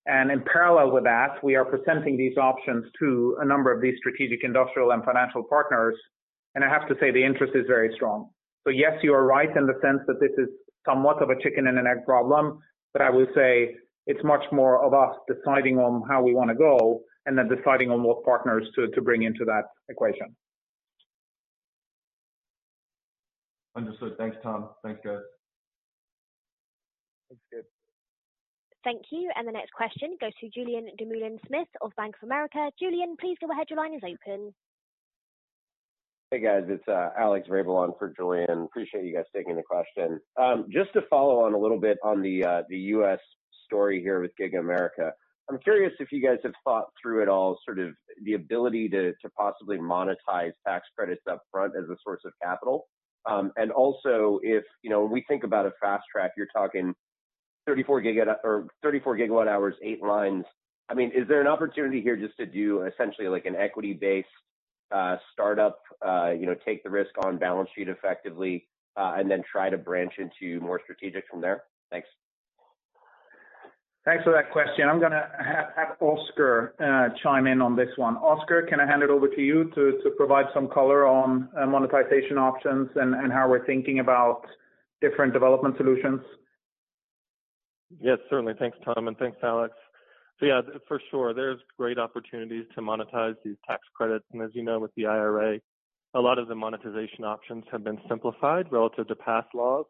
In parallel with that, we are presenting these options to a number of these strategic, industrial, and financial partners. I have to say the interest is very strong. Yes, you are right in the sense that this is somewhat of a chicken and an egg problem, but I would say it's much more of us deciding on how we wanna go and then deciding on what partners to bring into that equation. Understood. Thanks, Tom. Thanks, guys. Thank you. The next question goes to Julien Dumoulin-Smith of Bank of America. Julien, please go ahead. Your line is open. Hey, guys. It's Alex Vrabel for Julien. Appreciate you guys taking the question. Just to follow on a little bit on the U.S. story here with Giga America. I'm curious if you guys have thought through at all sort of the ability to possibly monetize tax credits up front as a source of capital. Also if, you know, when we think about a fast track, you're talking 34 GWh, 8 lines. I mean, is there an opportunity here just to do essentially like an equity-based startup, you know, take the risk on balance sheet effectively, and then try to branch into more strategic from there? Thanks. Thanks for that question. I'm gonna have Oskar chime in on this one. Oskar, can I hand it over to you to provide some color on monetization options and how we're thinking about different development solutions? Yes, certainly. Thanks, Tom, and thanks, Alex. Yeah, for sure, there's great opportunities to monetize these tax credits, and as you know, with the IRA, a lot of the monetization options have been simplified relative to past laws.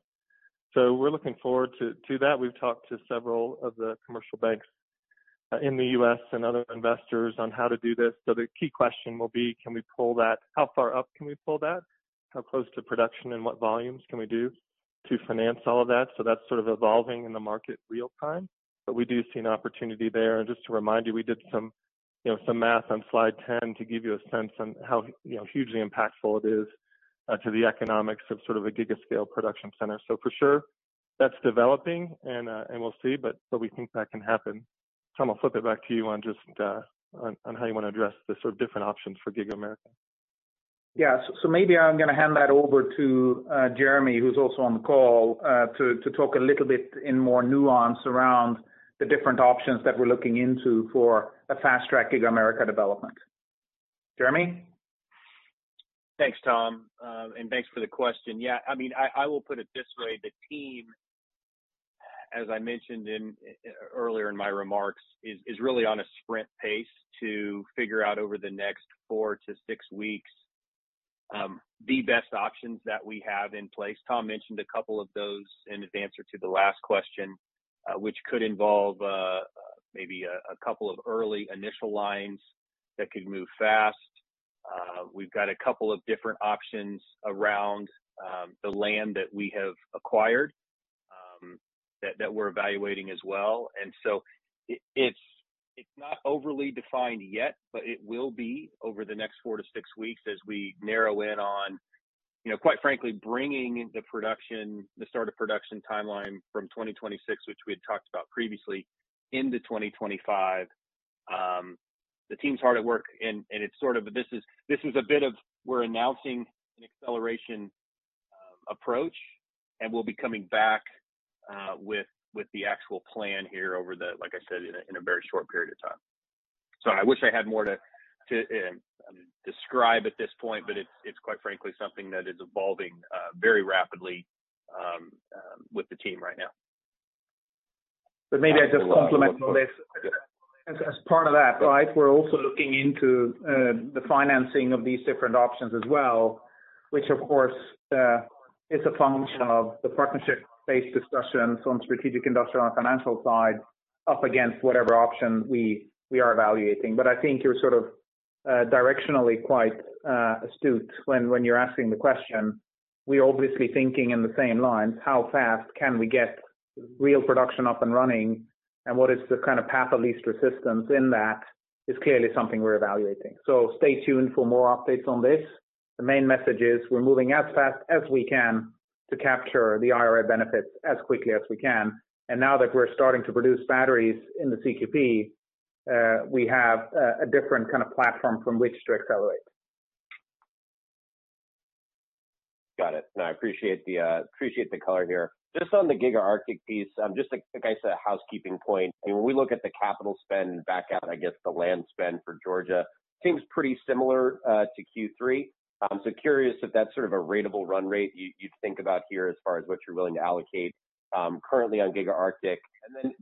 We're looking forward to that. We've talked to several of the commercial banks in the U.S. and other investors on how to do this. The key question will be, how far up can we pull that? How close to production and what volumes can we do to finance all of that? That's sort of evolving in the market real time. We do see an opportunity there. Just to remind you, we did some, you know, some math on slide 10 to give you a sense on how, you know, hugely impactful it is to the economics of sort of a giga scale production center. For sure, that's developing and we'll see. We think that can happen. Tom-Einar, I'll flip it back to you on just on how you wanna address the sort of different options for Giga America. Maybe I'm gonna hand that over to Jeremy, who's also on the call, to talk a little bit in more nuance around the different options that we're looking into for a fast-track Giga America development. Jeremy? Thanks, Tom. Thanks for the question. I mean, I will put it this way. The team, as I mentioned earlier in my remarks, is really on a sprint pace to figure out over the next four to six weeks, the best options that we have in place. Tom mentioned a couple of those in his answer to the last question, which could involve, maybe a couple of early initial lines that could move fast. We've got a couple of different options around, the land that we have acquired, that we're evaluating as well. It's not overly defined yet, but it will be over the next four to six weeks as we narrow in on, you know, quite frankly, bringing the production, the start of production timeline from 2026, which we had talked about previously, into 2025. The team's hard at work and it's sort of, this is a bit of we're announcing an acceleration approach, and we'll be coming back with the actual plan here over the, like I said, in a very short period of time. I wish I had more to describe at this point, but it's quite frankly something that is evolving very rapidly with the team right now. Maybe I just compliment on this. As part of that, right, we're also looking into the financing of these different options as well, which of course, is a function of the partnership-based discussions on strategic, industrial, and financial side up against whatever option we are evaluating. I think you're sort of directionally quite astute when you're asking the question. We're obviously thinking in the same lines, how fast can we get real production up and running, and what is the kinda path of least resistance in that is clearly something we're evaluating. Stay tuned for more updates on this. The main message is we're moving as fast as we can to capture the IRA benefits as quickly as we can. Now that we're starting to produce batteries in the CQP, we have a different kind of platform from which to accelerate. Got it. I appreciate the color here. Just on the Giga Arctic piece, like I said, a housekeeping point. I mean, when we look at the capital spend back out, I guess the land spend for Georgia seems pretty similar to Q3. Curious if that's sort of a ratable run rate you'd think about here as far as what you're willing to allocate currently on Giga Arctic.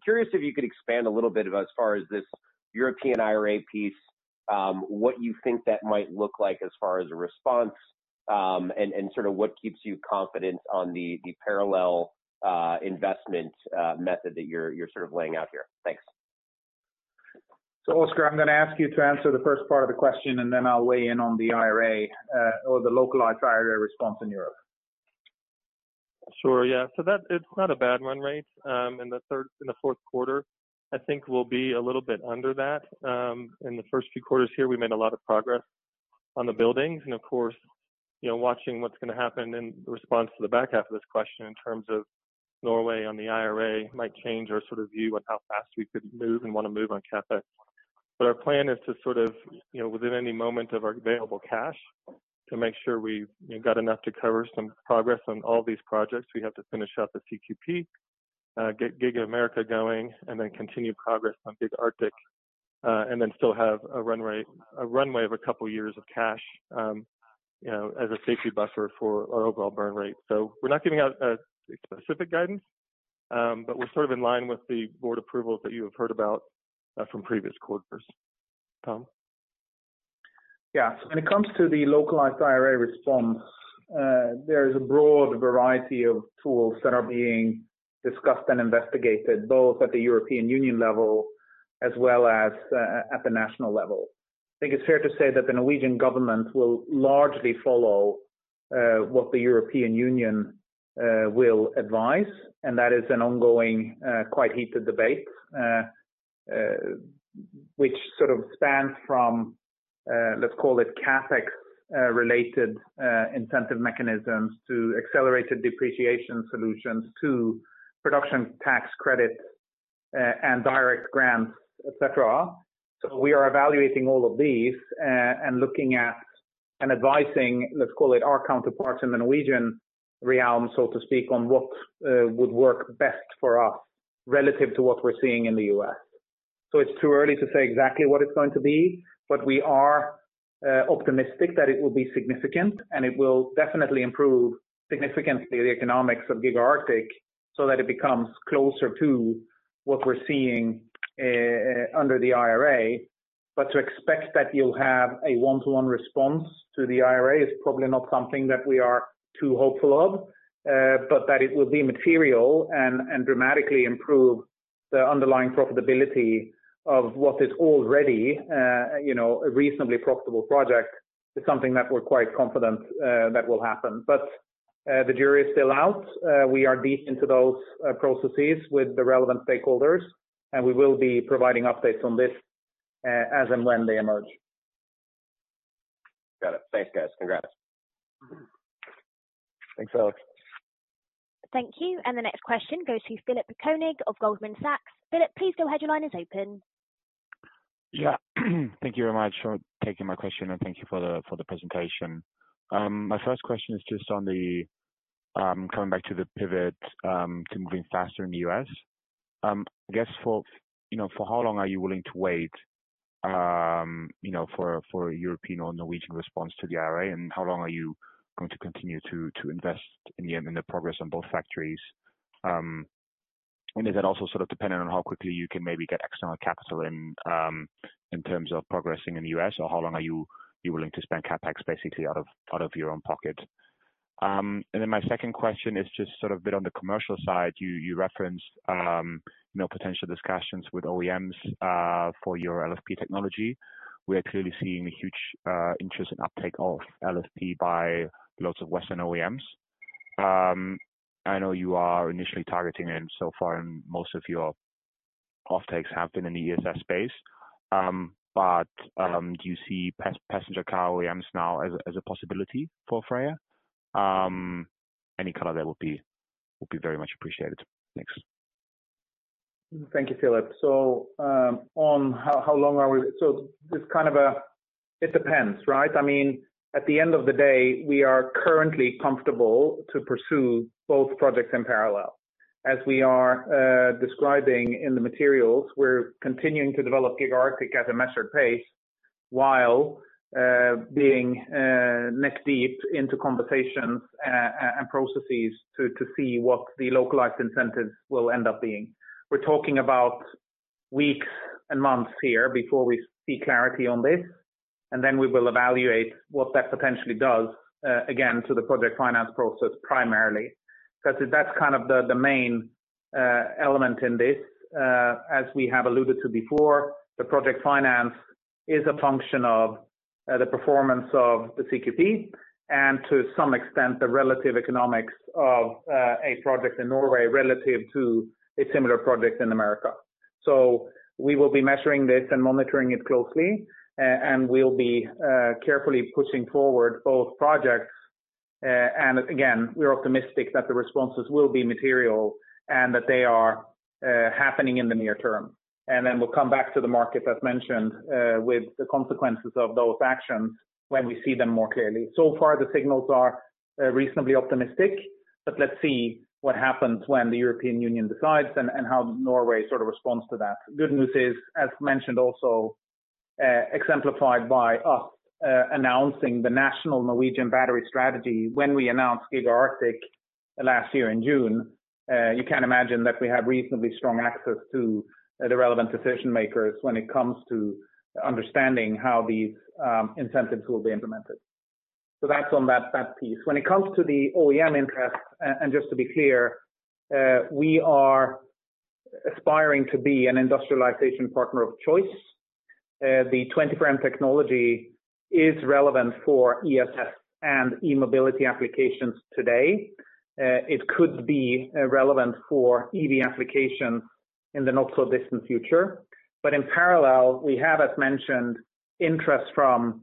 Curious if you could expand a little bit as far as this European IRA piece, what you think that might look like as far as a response, and sort of what keeps you confident on the parallel investment method that you're sort of laying out here. Thanks. Oskar Brown, I'm gonna ask you to answer the first part of the question, and then I'll weigh in on the IRA, or the localized IRA response in Europe. Sure. Yeah. That it's not a bad run rate. In the fourth quarter, I think we'll be a little bit under that. In the first few quarters here, we made a lot of progress on the buildings. Of course, you know, watching what's gonna happen in response to the back half of this question in terms of Norway on the IRA might change our sort of view on how fast we could move and want to move on CapEx. Our plan is to sort of, you know, within any moment of our available cash to make sure we've, you know, got enough to cover some progress on all these projects. We have to finish out the CQP, get Giga America going, and then continue progress on Giga Arctic, and then still have a run rate, a runway of a couple years of cash, you know, as a safety buffer for our overall burn rate. We're not giving out a specific guidance, but we're sort of in line with the board approvals that you have heard about, from previous quarters. Tom? When it comes to the localized IRA response, there is a broad variety of tools that are being discussed and investigated, both at the European Union level as well as at the national level. I think it's fair to say that the Norwegian government will largely follow what the European Union will advise, and that is an ongoing, quite heated debate, which sort of spans from, let's call it CapEx related incentive mechanisms to accelerated depreciation solutions to production tax credits, and direct grants, et cetera. So we are evaluating all of these, and looking at and advising, let's call it our counterparts in the Norwegian realm, so to speak, on what would work best for us relative to what we're seeing in the U.S. It's too early to say exactly what it's going to be, but we are optimistic that it will be significant, and it will definitely improve significantly the economics of Giga Arctic so that it becomes closer to what we're seeing under the IRA. To expect that you'll have a one-to-one response to the IRA is probably not something that we are too hopeful of, but that it will be material and dramatically improve the underlying profitability of what is already, you know, a reasonably profitable project is something that we're quite confident that will happen. The jury is still out. We are deep into those processes with the relevant stakeholders, and we will be providing updates on this as and when they emerge. Got it. Thanks, guys. Congrats. Thanks, Alex. Thank you. The next question goes to Philipp Koenig of Goldman Sachs. Philipp, please go ahead. Your line is open. Yeah. Thank you very much for taking my question, thank you for the presentation. My first question is just on the coming back to the pivot to moving faster in the U.S. I guess for, you know, for how long are you willing to wait, you know, for European or Norwegian response to the IRA? How long are you going to continue to invest in the progress on both factories? Is that also sort of dependent on how quickly you can maybe get external capital in terms of progressing in the U.S.? Or how long are you willing to spend CapEx basically out of your own pocket? My second question is just sort of a bit on the commercial side. You referenced, you know, potential discussions with OEMs for your LFP technology. We are clearly seeing a huge interest and uptake of LFP by lots of Western OEMs. I know you are initially targeting and so far, and most of your offtakes have been in the ESS space. Do you see passenger car OEMs now as a possibility for FREYR? Any color there will be very much appreciated. Thanks. Thank you, Philipp. how long are we... It's kind of a it depends, right? I mean, at the end of the day, we are currently comfortable to pursue both projects in parallel. As we are describing in the materials, we're continuing to develop Giga Arctic at a measured pace while being neck deep into conversations and processes to see what the localized incentives will end up being. We're talking about weeks and months here before we see clarity on this, and then we will evaluate what that potentially does again, to the project finance process primarily. 'Cause that's kind of the main element in this. As we have alluded to before, the project finance is a function of the performance of the CQP and to some extent, the relative economics of a project in Norway relative to a similar project in America. We will be measuring this and monitoring it closely, and we'll be carefully pushing forward both projects. And again, we're optimistic that the responses will be material and that they are happening in the near term. We'll come back to the market, as mentioned, with the consequences of those actions when we see them more clearly. Far, the signals are reasonably optimistic, but let's see what happens when the European Union decides and how Norway sort of responds to that. Good news is, as mentioned, also exemplified by us announcing the National Norwegian Battery Strategy when we announced Giga Arctic last year in June. You can imagine that we have reasonably strong access to the relevant decision makers when it comes to understanding how these incentives will be implemented. That's on that piece. When it comes to the OEM interest, and just to be clear, we are aspiring to be an industrialization partner of choice. The 20M technology is relevant for ESS and e-mobility applications today. It could be relevant for EV application in the not-so-distant future. In parallel, we have, as mentioned, interest from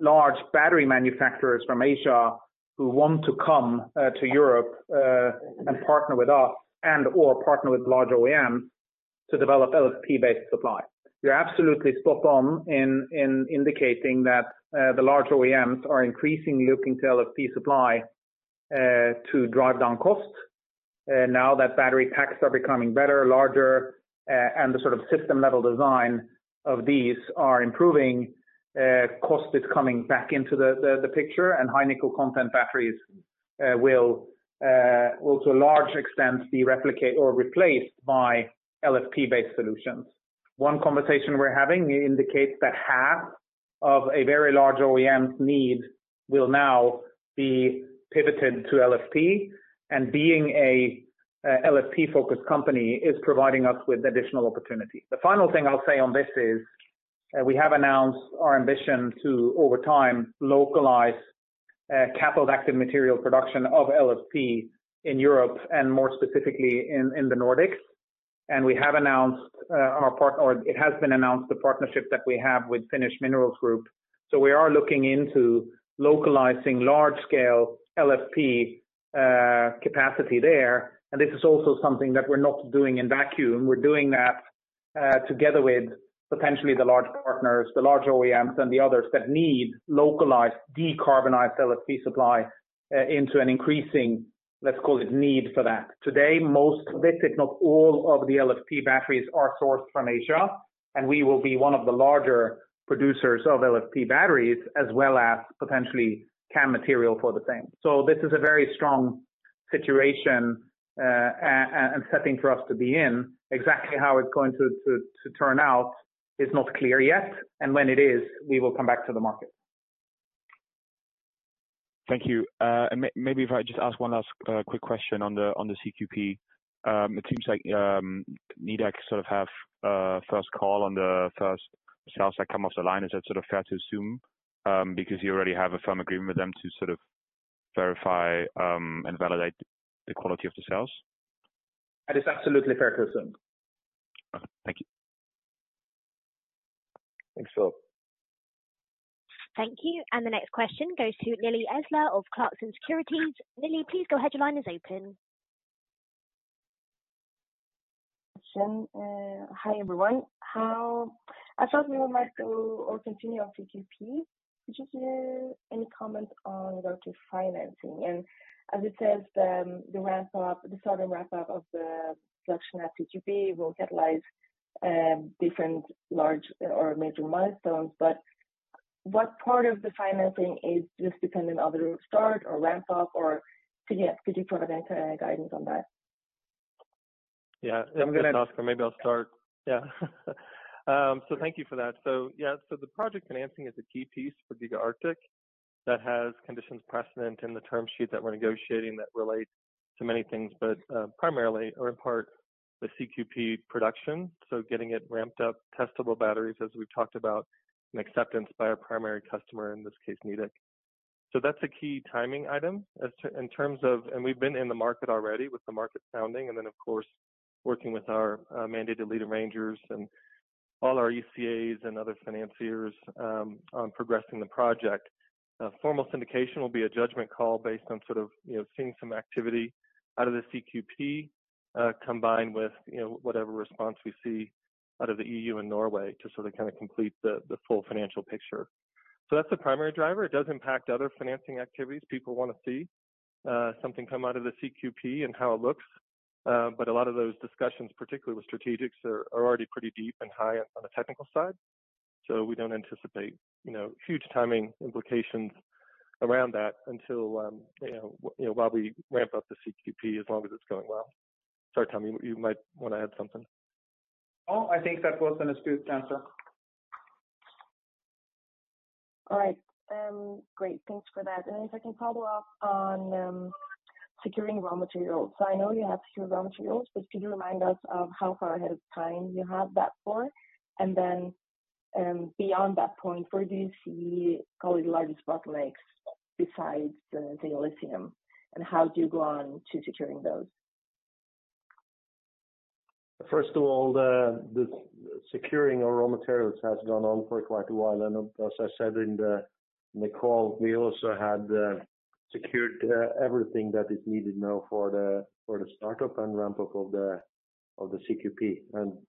large battery manufacturers from Asia who want to come to Europe and partner with us and/or partner with large OEMs to develop LFP-based supply. You're absolutely spot on in indicating that the large OEMs are increasingly looking to LFP supply to drive down costs. Now that battery packs are becoming better, larger, and the sort of system level design of these are improving, cost is coming back into the picture, and high nickel content batteries will also large extent be replicate or replaced by LFP-based solutions. One conversation we're having indicates that half of a very large OEM need will now be pivoted to LFP. Being a LFP-focused company is providing us with additional opportunities. The final thing I'll say on this is, we have announced our ambition to, over time, localize cathode active material production of LFP in Europe, and more specifically in the Nordics. We have announced, our part or it has been announced, the partnership that we have with Finnish Minerals Group. We are looking into localizing large scale LFP capacity there. This is also something that we're not doing in vacuum. We're doing that together with potentially the large partners, the large OEMs and the others that need localized decarbonized LFP supply into an increasing, let's call it, need for that. Today, most, if not all of the LFP batteries are sourced from Asia, and we will be one of the larger producers of LFP batteries, as well as potentially cam material for the same. This is a very strong situation and setting for us to be in. Exactly how it's going to turn out is not clear yet, when it is, we will come back to the market. Thank you. Maybe if I just ask one last quick question on the CQP. It seems like Nidec sort of have a first call on the first cells that come off the line. Is that sort of fair to assume because you already have a firm agreement with them to sort of verify and validate the quality of the cells? That is absolutely fair to assume. Okay. Thank you. Thanks, Phil. Thank you. The next question goes to Nili Eslah of Clarksons Securities. Nili, please go ahead. Your line is open. Question. Hi, everyone. I thought we would like to all continue on CQP. Did you hear any comment on go-to-financing? As it says, the ramp up, the southern ramp up of the production at CQP will catalyze different large or major milestones. What part of the financing is just dependent on the start or ramp up? Could you provide any guidance on that? Yeah. I'm gonna. That's for Oskar. Maybe I'll start. Yeah. Thank you for that. Yeah, the project financing is a key piece for Giga Arctic that has conditions precedent in the term sheet that we're negotiating that relate to many things, but primarily or in part the CQP production, so getting it ramped up, testable batteries as we've talked about, and acceptance by our primary customer in this case Nidec. That's a key timing item as to in terms of. We've been in the market already with the market sounding and then of course, working with our mandated lead arrangers and all our ECAs and other financiers on progressing the project. A formal syndication will be a judgment call based on sort of, you know, seeing some activity out of the CQP, combined with, you know, whatever response we see out of the EU and Norway to sort of complete the full financial picture. That's the primary driver. It does impact other financing activities. People wanna see something come out of the CQP and how it looks. A lot of those discussions, particularly with strategics, are already pretty deep and high on the technical side. We don't anticipate, you know, huge timing implications around that until, you know, while we ramp up the CQP, as long as it's going well. Sorry, Tom. You might want to add something. No, I think that was an astute answer. All right. Great. Thanks for that. If I can follow up on securing raw materials. I know you have secured raw materials, but could you remind us of how far ahead of time you have that for? Then, beyond that point, where do you see call it the largest bottlenecks besides the lithium, and how do you go on to securing those? First of all, securing our raw materials has gone on for quite a while. As I said in the call, we also had secured everything that is needed now for the startup and ramp up of the CQP.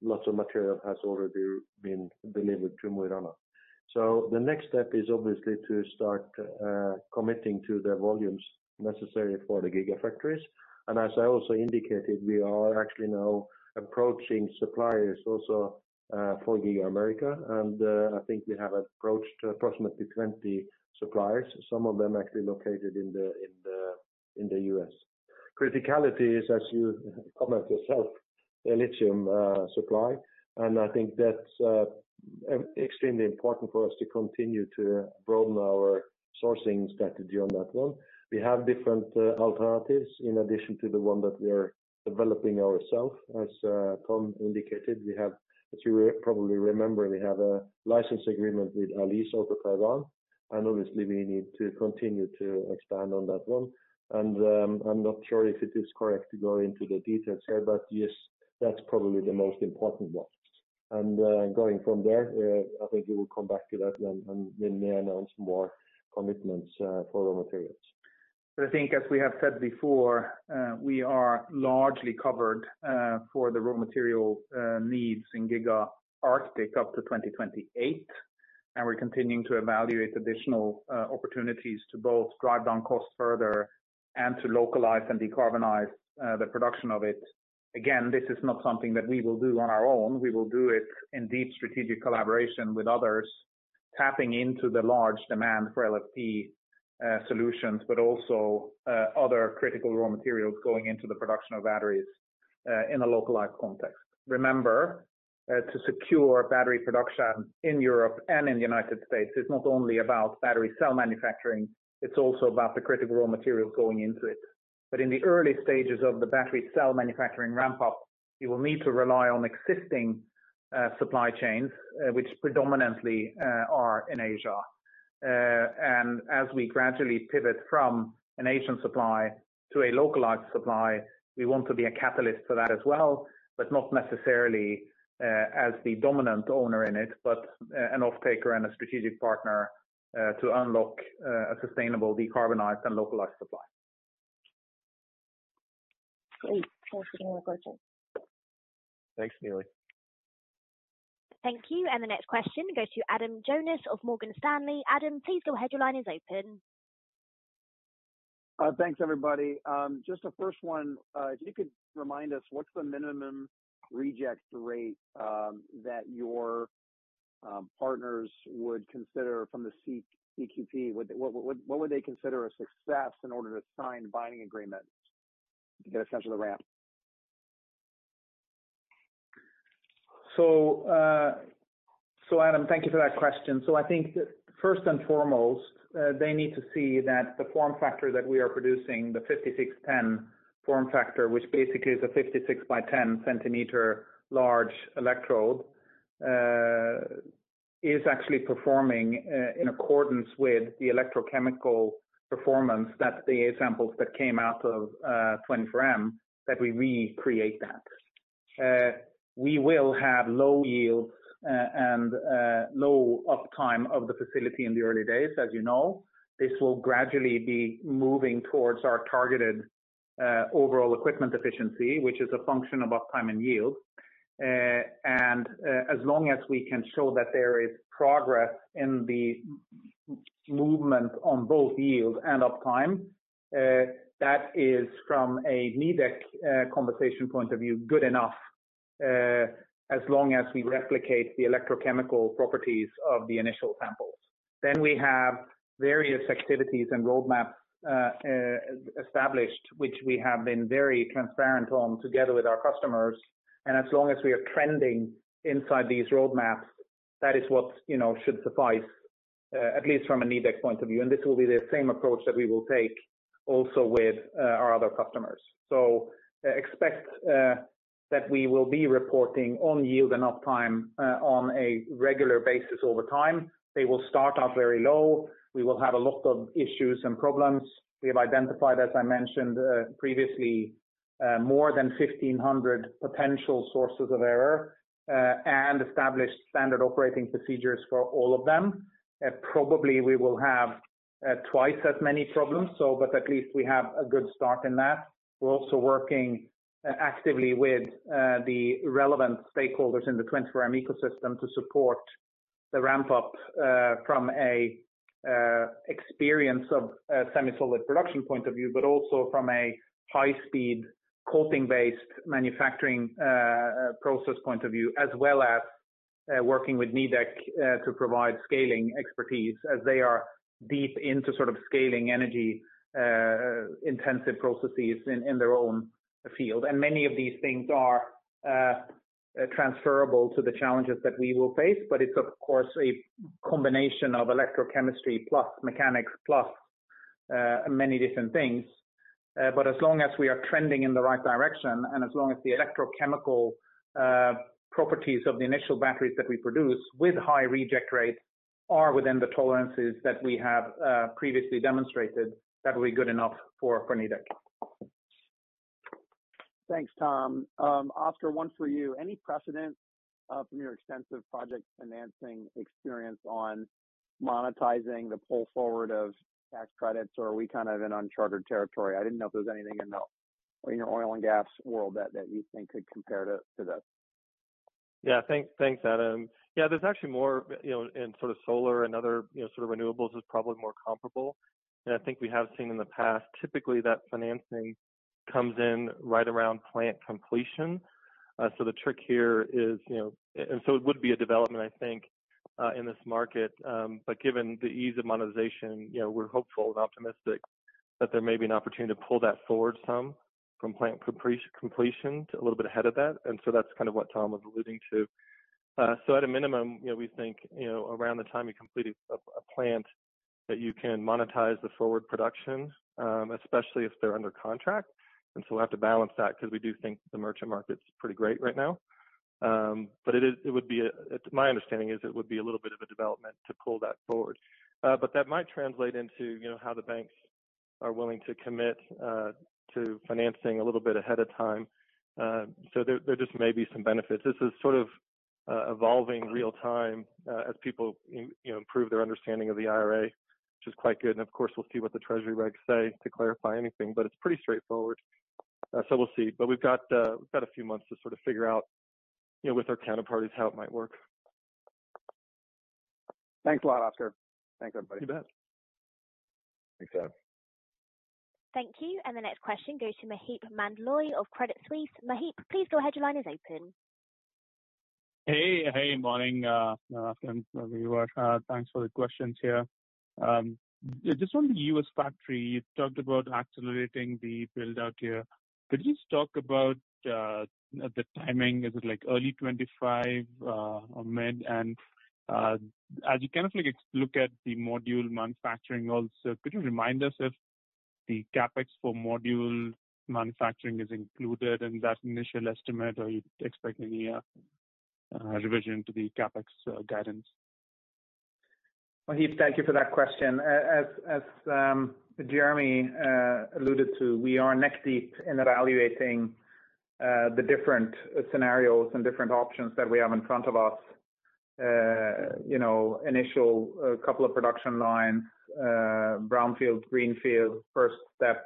Lots of material has already been delivered to Mo i Rana. The next step is obviously to start committing to the volumes necessary for the gigafactories. As I also indicated, we are actually now approaching suppliers also for Giga America. I think we have approached approximately 20 suppliers, some of them actually located in the US. Criticality is, as you comment yourself, the lithium supply. I think that. Extremely important for us to continue to broaden our sourcing strategy on that one. We have different alternatives in addition to the one that we are developing ourself. As Tom indicated, as you probably remember, we have a license agreement with Aleees over Taiwan, and obviously we need to continue to expand on that one. I'm not sure if it is correct to go into the details here, but yes, that's probably the most important one. Going from there, I think we will come back to that one, and we may announce more commitments for raw materials. I think as we have said before, we are largely covered for the raw material needs in Giga Arctic up to 2028. We're continuing to evaluate additional opportunities to both drive down costs further and to localize and decarbonize the production of it. Again, this is not something that we will do on our own. We will do it in deep strategic collaboration with others, tapping into the large demand for LFP solutions, but also other critical raw materials going into the production of batteries in a localized context. Remember, to secure battery production in Europe and in the United States is not only about battery cell manufacturing, it's also about the critical raw materials going into it. In the early stages of the battery cell manufacturing ramp up, you will need to rely on existing supply chains, which predominantly are in Asia. As we gradually pivot from an Asian supply to a localized supply, we want to be a catalyst for that as well, but not necessarily as the dominant owner in it, but an off-taker and a strategic partner to unlock a sustainable, decarbonized and localized supply. Great. Thanks for the question. Thanks, Nili. Thank you. The next question goes to Adam Jonas of Morgan Stanley. Adam, please go ahead. Your line is open. Thanks, everybody. Just the first one, if you could remind us what's the minimum reject rate that your partners would consider from the CQP? What would they consider a success in order to sign binding agreement to get a sense of the ramp? Adam, thank you for that question. I think first and foremost, they need to see that the form factor that we are producing, the 5610 form factor, which basically is a 56 by 10 cm large electrode, is actually performing in accordance with the electrochemical performance that the samples that came out of 24M, that we recreate that. We will have low yield and low uptime of the facility in the early days, as you know. This will gradually be moving towards our targeted OEE, which is a function of uptime and yield. As long as we can show that there is progress in the movement on both yield and uptime, that is from a Nidec conversation point of view, good enough as long as we replicate the electrochemical properties of the initial samples. We have various activities and roadmaps established, which we have been very transparent on together with our customers. As long as we are trending inside these roadmaps, that is what, you know, should suffice at least from a Nidec point of view. This will be the same approach that we will take also with our other customers. Expect that we will be reporting on yield and uptime on a regular basis over time. They will start off very low. We will have a lot of issues and problems. We have identified, as I mentioned, previously, more than 1,500 potential sources of error, and established standard operating procedures for all of them. Probably we will have twice as many problems, but at least we have a good start in that. We're also working actively with the relevant stakeholders in the 24M ecosystem to support the ramp up from a experience of a semi-solid production point of view, but also from a high speed coating-based manufacturing process point of view, as well as working with Nidec to provide scaling expertise as they are deep into sort of scaling energy intensive processes in their own field. Many of these things are transferable to the challenges that we will face. It's of course, a combination of electrochemistry plus mechanics, plus many different things. As long as we are trending in the right direction, and as long as the electrochemical properties of the initial batteries that we produce with high reject rates are within the tolerances that we have previously demonstrated, that will be good enough for Nidec. Thanks, Tom. Oskar, one for you. Any precedent from your extensive project financing experience on monetizing the pull forward of tax credits, or are we kind of in uncharted territory? I didn't know if there was anything in your oil and gas world that you think could compare to this. Yeah. Thanks, Adam. Yeah, there's actually more, you know, in sort of solar and other, you know, sort of renewables is probably more comparable. I think we have seen in the past typically that financing comes in right around plant completion. The trick here is, you know... It would be a development, I think, in this market. Given the ease of monetization, you know, we're hopeful and optimistic. That there may be an opportunity to pull that forward some from plant completion to a little bit ahead of that. That's kind of what Tom was alluding to. At a minimum, you know, we think, you know, around the time you completed a plant that you can monetize the forward production, especially if they're under contract. We'll have to balance that because we do think the merchant market's pretty great right now. It's my understanding is it would be a little bit of a development to pull that forward. That might translate into, you know, how the banks are willing to commit to financing a little bit ahead of time. There just may be some benefits. This is sort of, evolving real time, as people, you know, improve their understanding of the IRA, which is quite good. Of course, we'll see what the Treasury regs say to clarify anything, but it's pretty straightforward. So we'll see. We've got, we've got a few months to sort of figure out, you know, with our counterparties how it might work. Thanks a lot, Oskar Brown. Thanks, everybody. You bet. Thanks, guys. Thank you. The next question goes to Maheep Mandloi of Credit Suisse. Maheep, please go ahead. Your line is open. Hey, hey, morning, Tom, everybody. Thanks for the questions here. Just on the U.S. factory, you talked about accelerating the build-out here. Could you just talk about the timing? Is it like early 2025 or mid? As you kind of like look at the module manufacturing also, could you remind us if the CapEx for module manufacturing is included in that initial estimate, or are you expecting a revision to the CapEx guidance? Maheep, thank you for that question. As Jeremy alluded to, we are neck deep in evaluating the different scenarios and different options that we have in front of us. You know, initial couple of production lines, brownfield, greenfield, first step,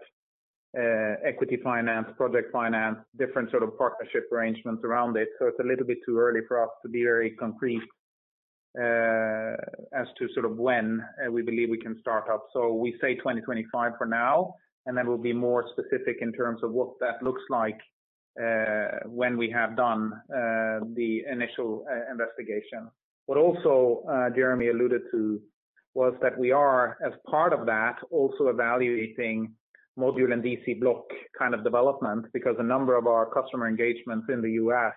equity finance, project finance, different sort of partnership arrangements around it. It's a little bit too early for us to be very concrete as to when we believe we can start up. We say 2025 for now, and then we'll be more specific in terms of what that looks like when we have done the initial investigation. What also Jeremy alluded to was that we are, as part of that, also evaluating module and DC block kind of development because a number of our customer engagements in the US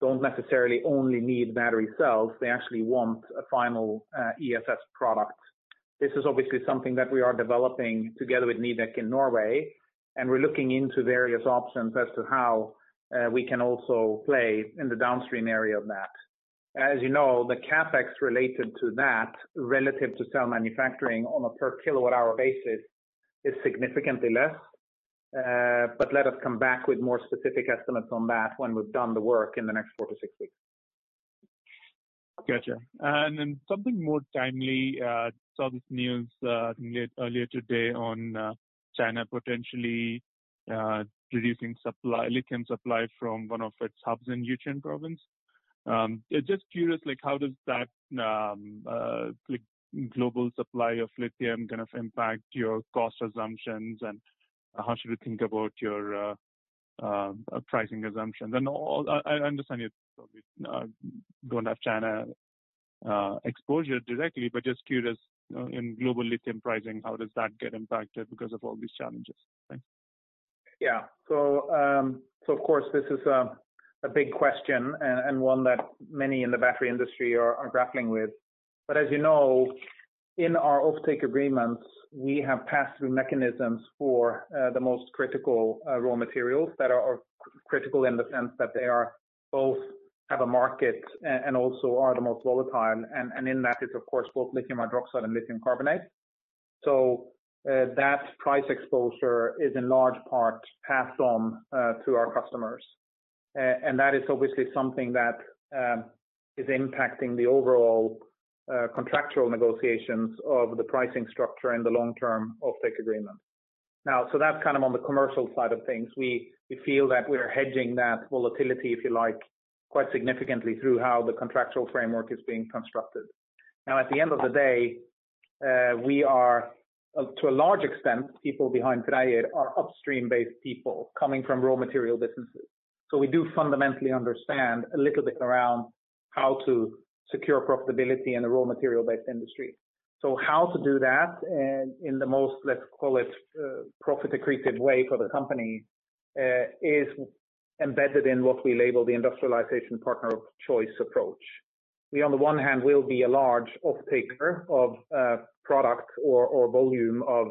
don't necessarily only need battery cells, they actually want a final ESS product. This is obviously something that we are developing together with Nidec in Norway, and we're looking into various options as to how we can also play in the downstream area of that. As you know, the CapEx related to that relative to cell manufacturing on a per kilowatt-hour basis is significantly less. Let us come back with more specific estimates on that when we've done the work in the next four to six weeks. Gotcha. Something more timely, saw this news, I think earlier today on China potentially reducing lithium supply from one of its hubs in Zhejiang province. Just curious, like how does that, like global supply of lithium gonna impact your cost assumptions, and how should we think about your pricing assumptions? I understand you don't have China exposure directly, but just curious, you know, in global lithium pricing, how does that get impacted because of all these challenges? Thanks. Yeah. Of course, this is a big question and one that many in the battery industry are grappling with. As you know, in our offtake agreements, we have pass-through mechanisms for the most critical raw materials that are critical in the sense that they both have a market and also are the most volatile. In that is of course, both lithium hydroxide and lithium carbonate. That price exposure is in large part passed on to our customers. That is obviously something that is impacting the overall contractual negotiations of the pricing structure and the long-term offtake agreement. That's kind of on the commercial side of things. We feel that we are hedging that volatility, if you like, quite significantly through how the contractual framework is being constructed. At the end of the day, we are to a large extent, people behind FREYR are upstream-based people coming from raw material businesses. We do fundamentally understand a little bit around how to secure profitability in a raw material-based industry. How to do that and in the most, let's call it, profit accretive way for the company, is embedded in what we label the industrialization partner of choice approach. We, on the one hand, will be a large offtaker of product or volume of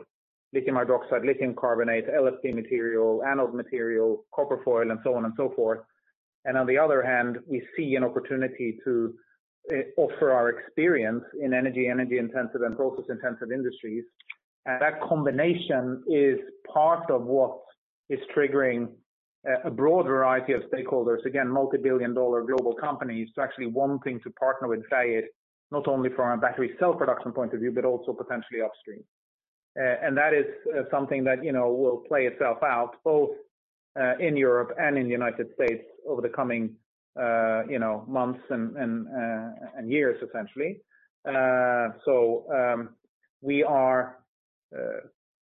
lithium hydroxide, lithium carbonate, LFP material, anode material, copper foil and so on and so forth. On the other hand, we see an opportunity to offer our experience in energy-intensive and process-intensive industries. That combination is part of what is triggering a broad variety of stakeholders, again, multi-billion dollar global companies to actually wanting to partner with FREYR, not only from a battery cell production point of view, but also potentially upstream. That is something that, you know, will play itself out both in Europe and in the United States over the coming, you know, months and years essentially. We are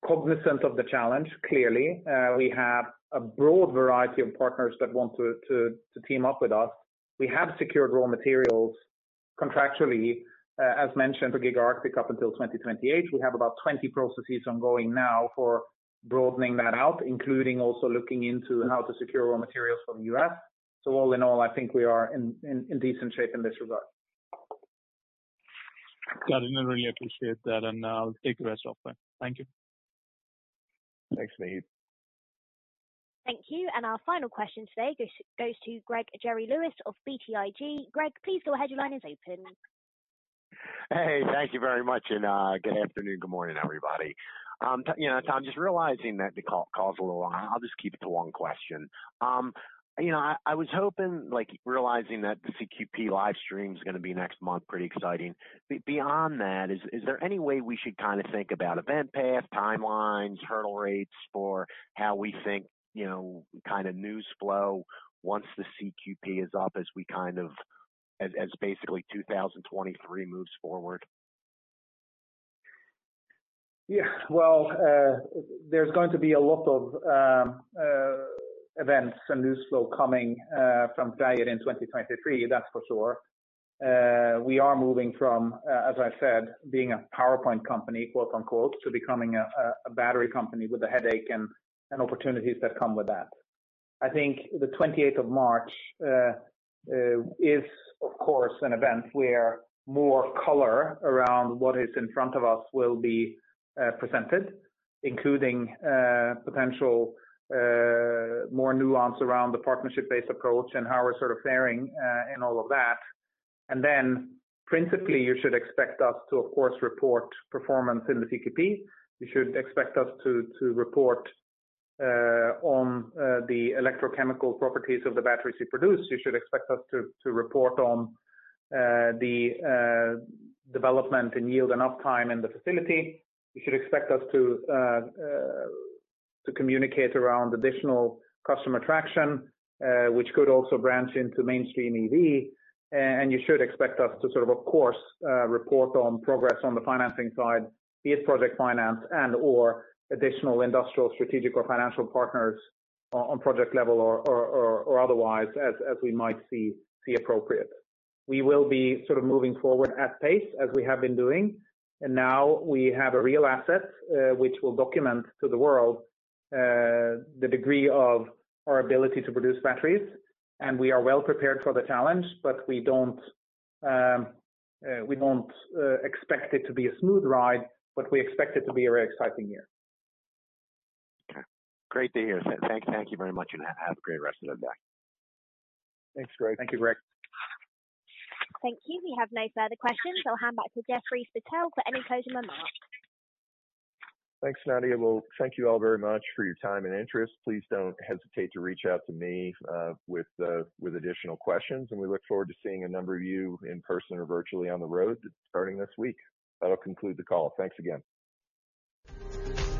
cognizant of the challenge, clearly. We have a broad variety of partners that want to team up with us. We have secured raw materials contractually, as mentioned, for GigArctic up until 2028, we have about 20 processes ongoing now for broadening that out, including also looking into how to secure raw materials from U.S. All in all, I think we are in decent shape in this regard. Got it. I really appreciate that, and I'll take the rest offline. Thank you. Thanks, Maheep. Thank you. Our final question today goes to Gregory Lewis of BTIG. Greg, please go ahead, your line is open. Hey, thank you very much and good afternoon, good morning, everybody. You know, I'm just realizing that the call's a little long. I'll just keep it to one question. You know, I was hoping, like realizing that the CQP live stream's gonna be next month, pretty exciting. Beyond that, is there any way we should kinda think about event path, timelines, hurdle rates for how we think, you know, kind of news flow once the CQP is up as we kind of as basically 2023 moves forward? Yeah. Well, there's going to be a lot of events and news flow coming from FREYR in 2023, that's for sure. We are moving from, as I said, being a PowerPoint company, quote-unquote, "To becoming a battery company with the headache and opportunities that come with that." I think the 28th of March, is of course an event where more color around what is in front of us will be presented, including potential more nuance around the partnership-based approach and how we're sort of faring in all of that. Principally, you should expect us to, of course, report performance in the CQP. You should expect us to report, on the electrochemical properties of the batteries we produce. You should expect us to report on the development and yield enough time in the facility. You should expect us to communicate around additional customer traction, which could also branch into mainstream EV. You should expect us to of course report on progress on the financing side, be it project finance and/or additional industrial, strategic or financial partners on project level or otherwise as we might see appropriate. We will be sort of moving forward at pace as we have been doing, and now we have a real asset, which we'll document to the world the degree of our ability to produce batteries, and we are well-prepared for the challenge, but we don't expect it to be a smooth ride, but we expect it to be a very exciting year. Okay. Great to hear. Thank you very much, and have a great rest of the day. Thanks, Greg. Thank you, Greg. Thank you. We have no further questions. I'll hand back Jeffrey Spittel for any closing remarks. Thanks, Nadia. Well, thank you all very much for your time and interest. Please don't hesitate to reach out to me with additional questions, and we look forward to seeing a number of you in person or virtually on the road starting this week. That'll conclude the call. Thanks again.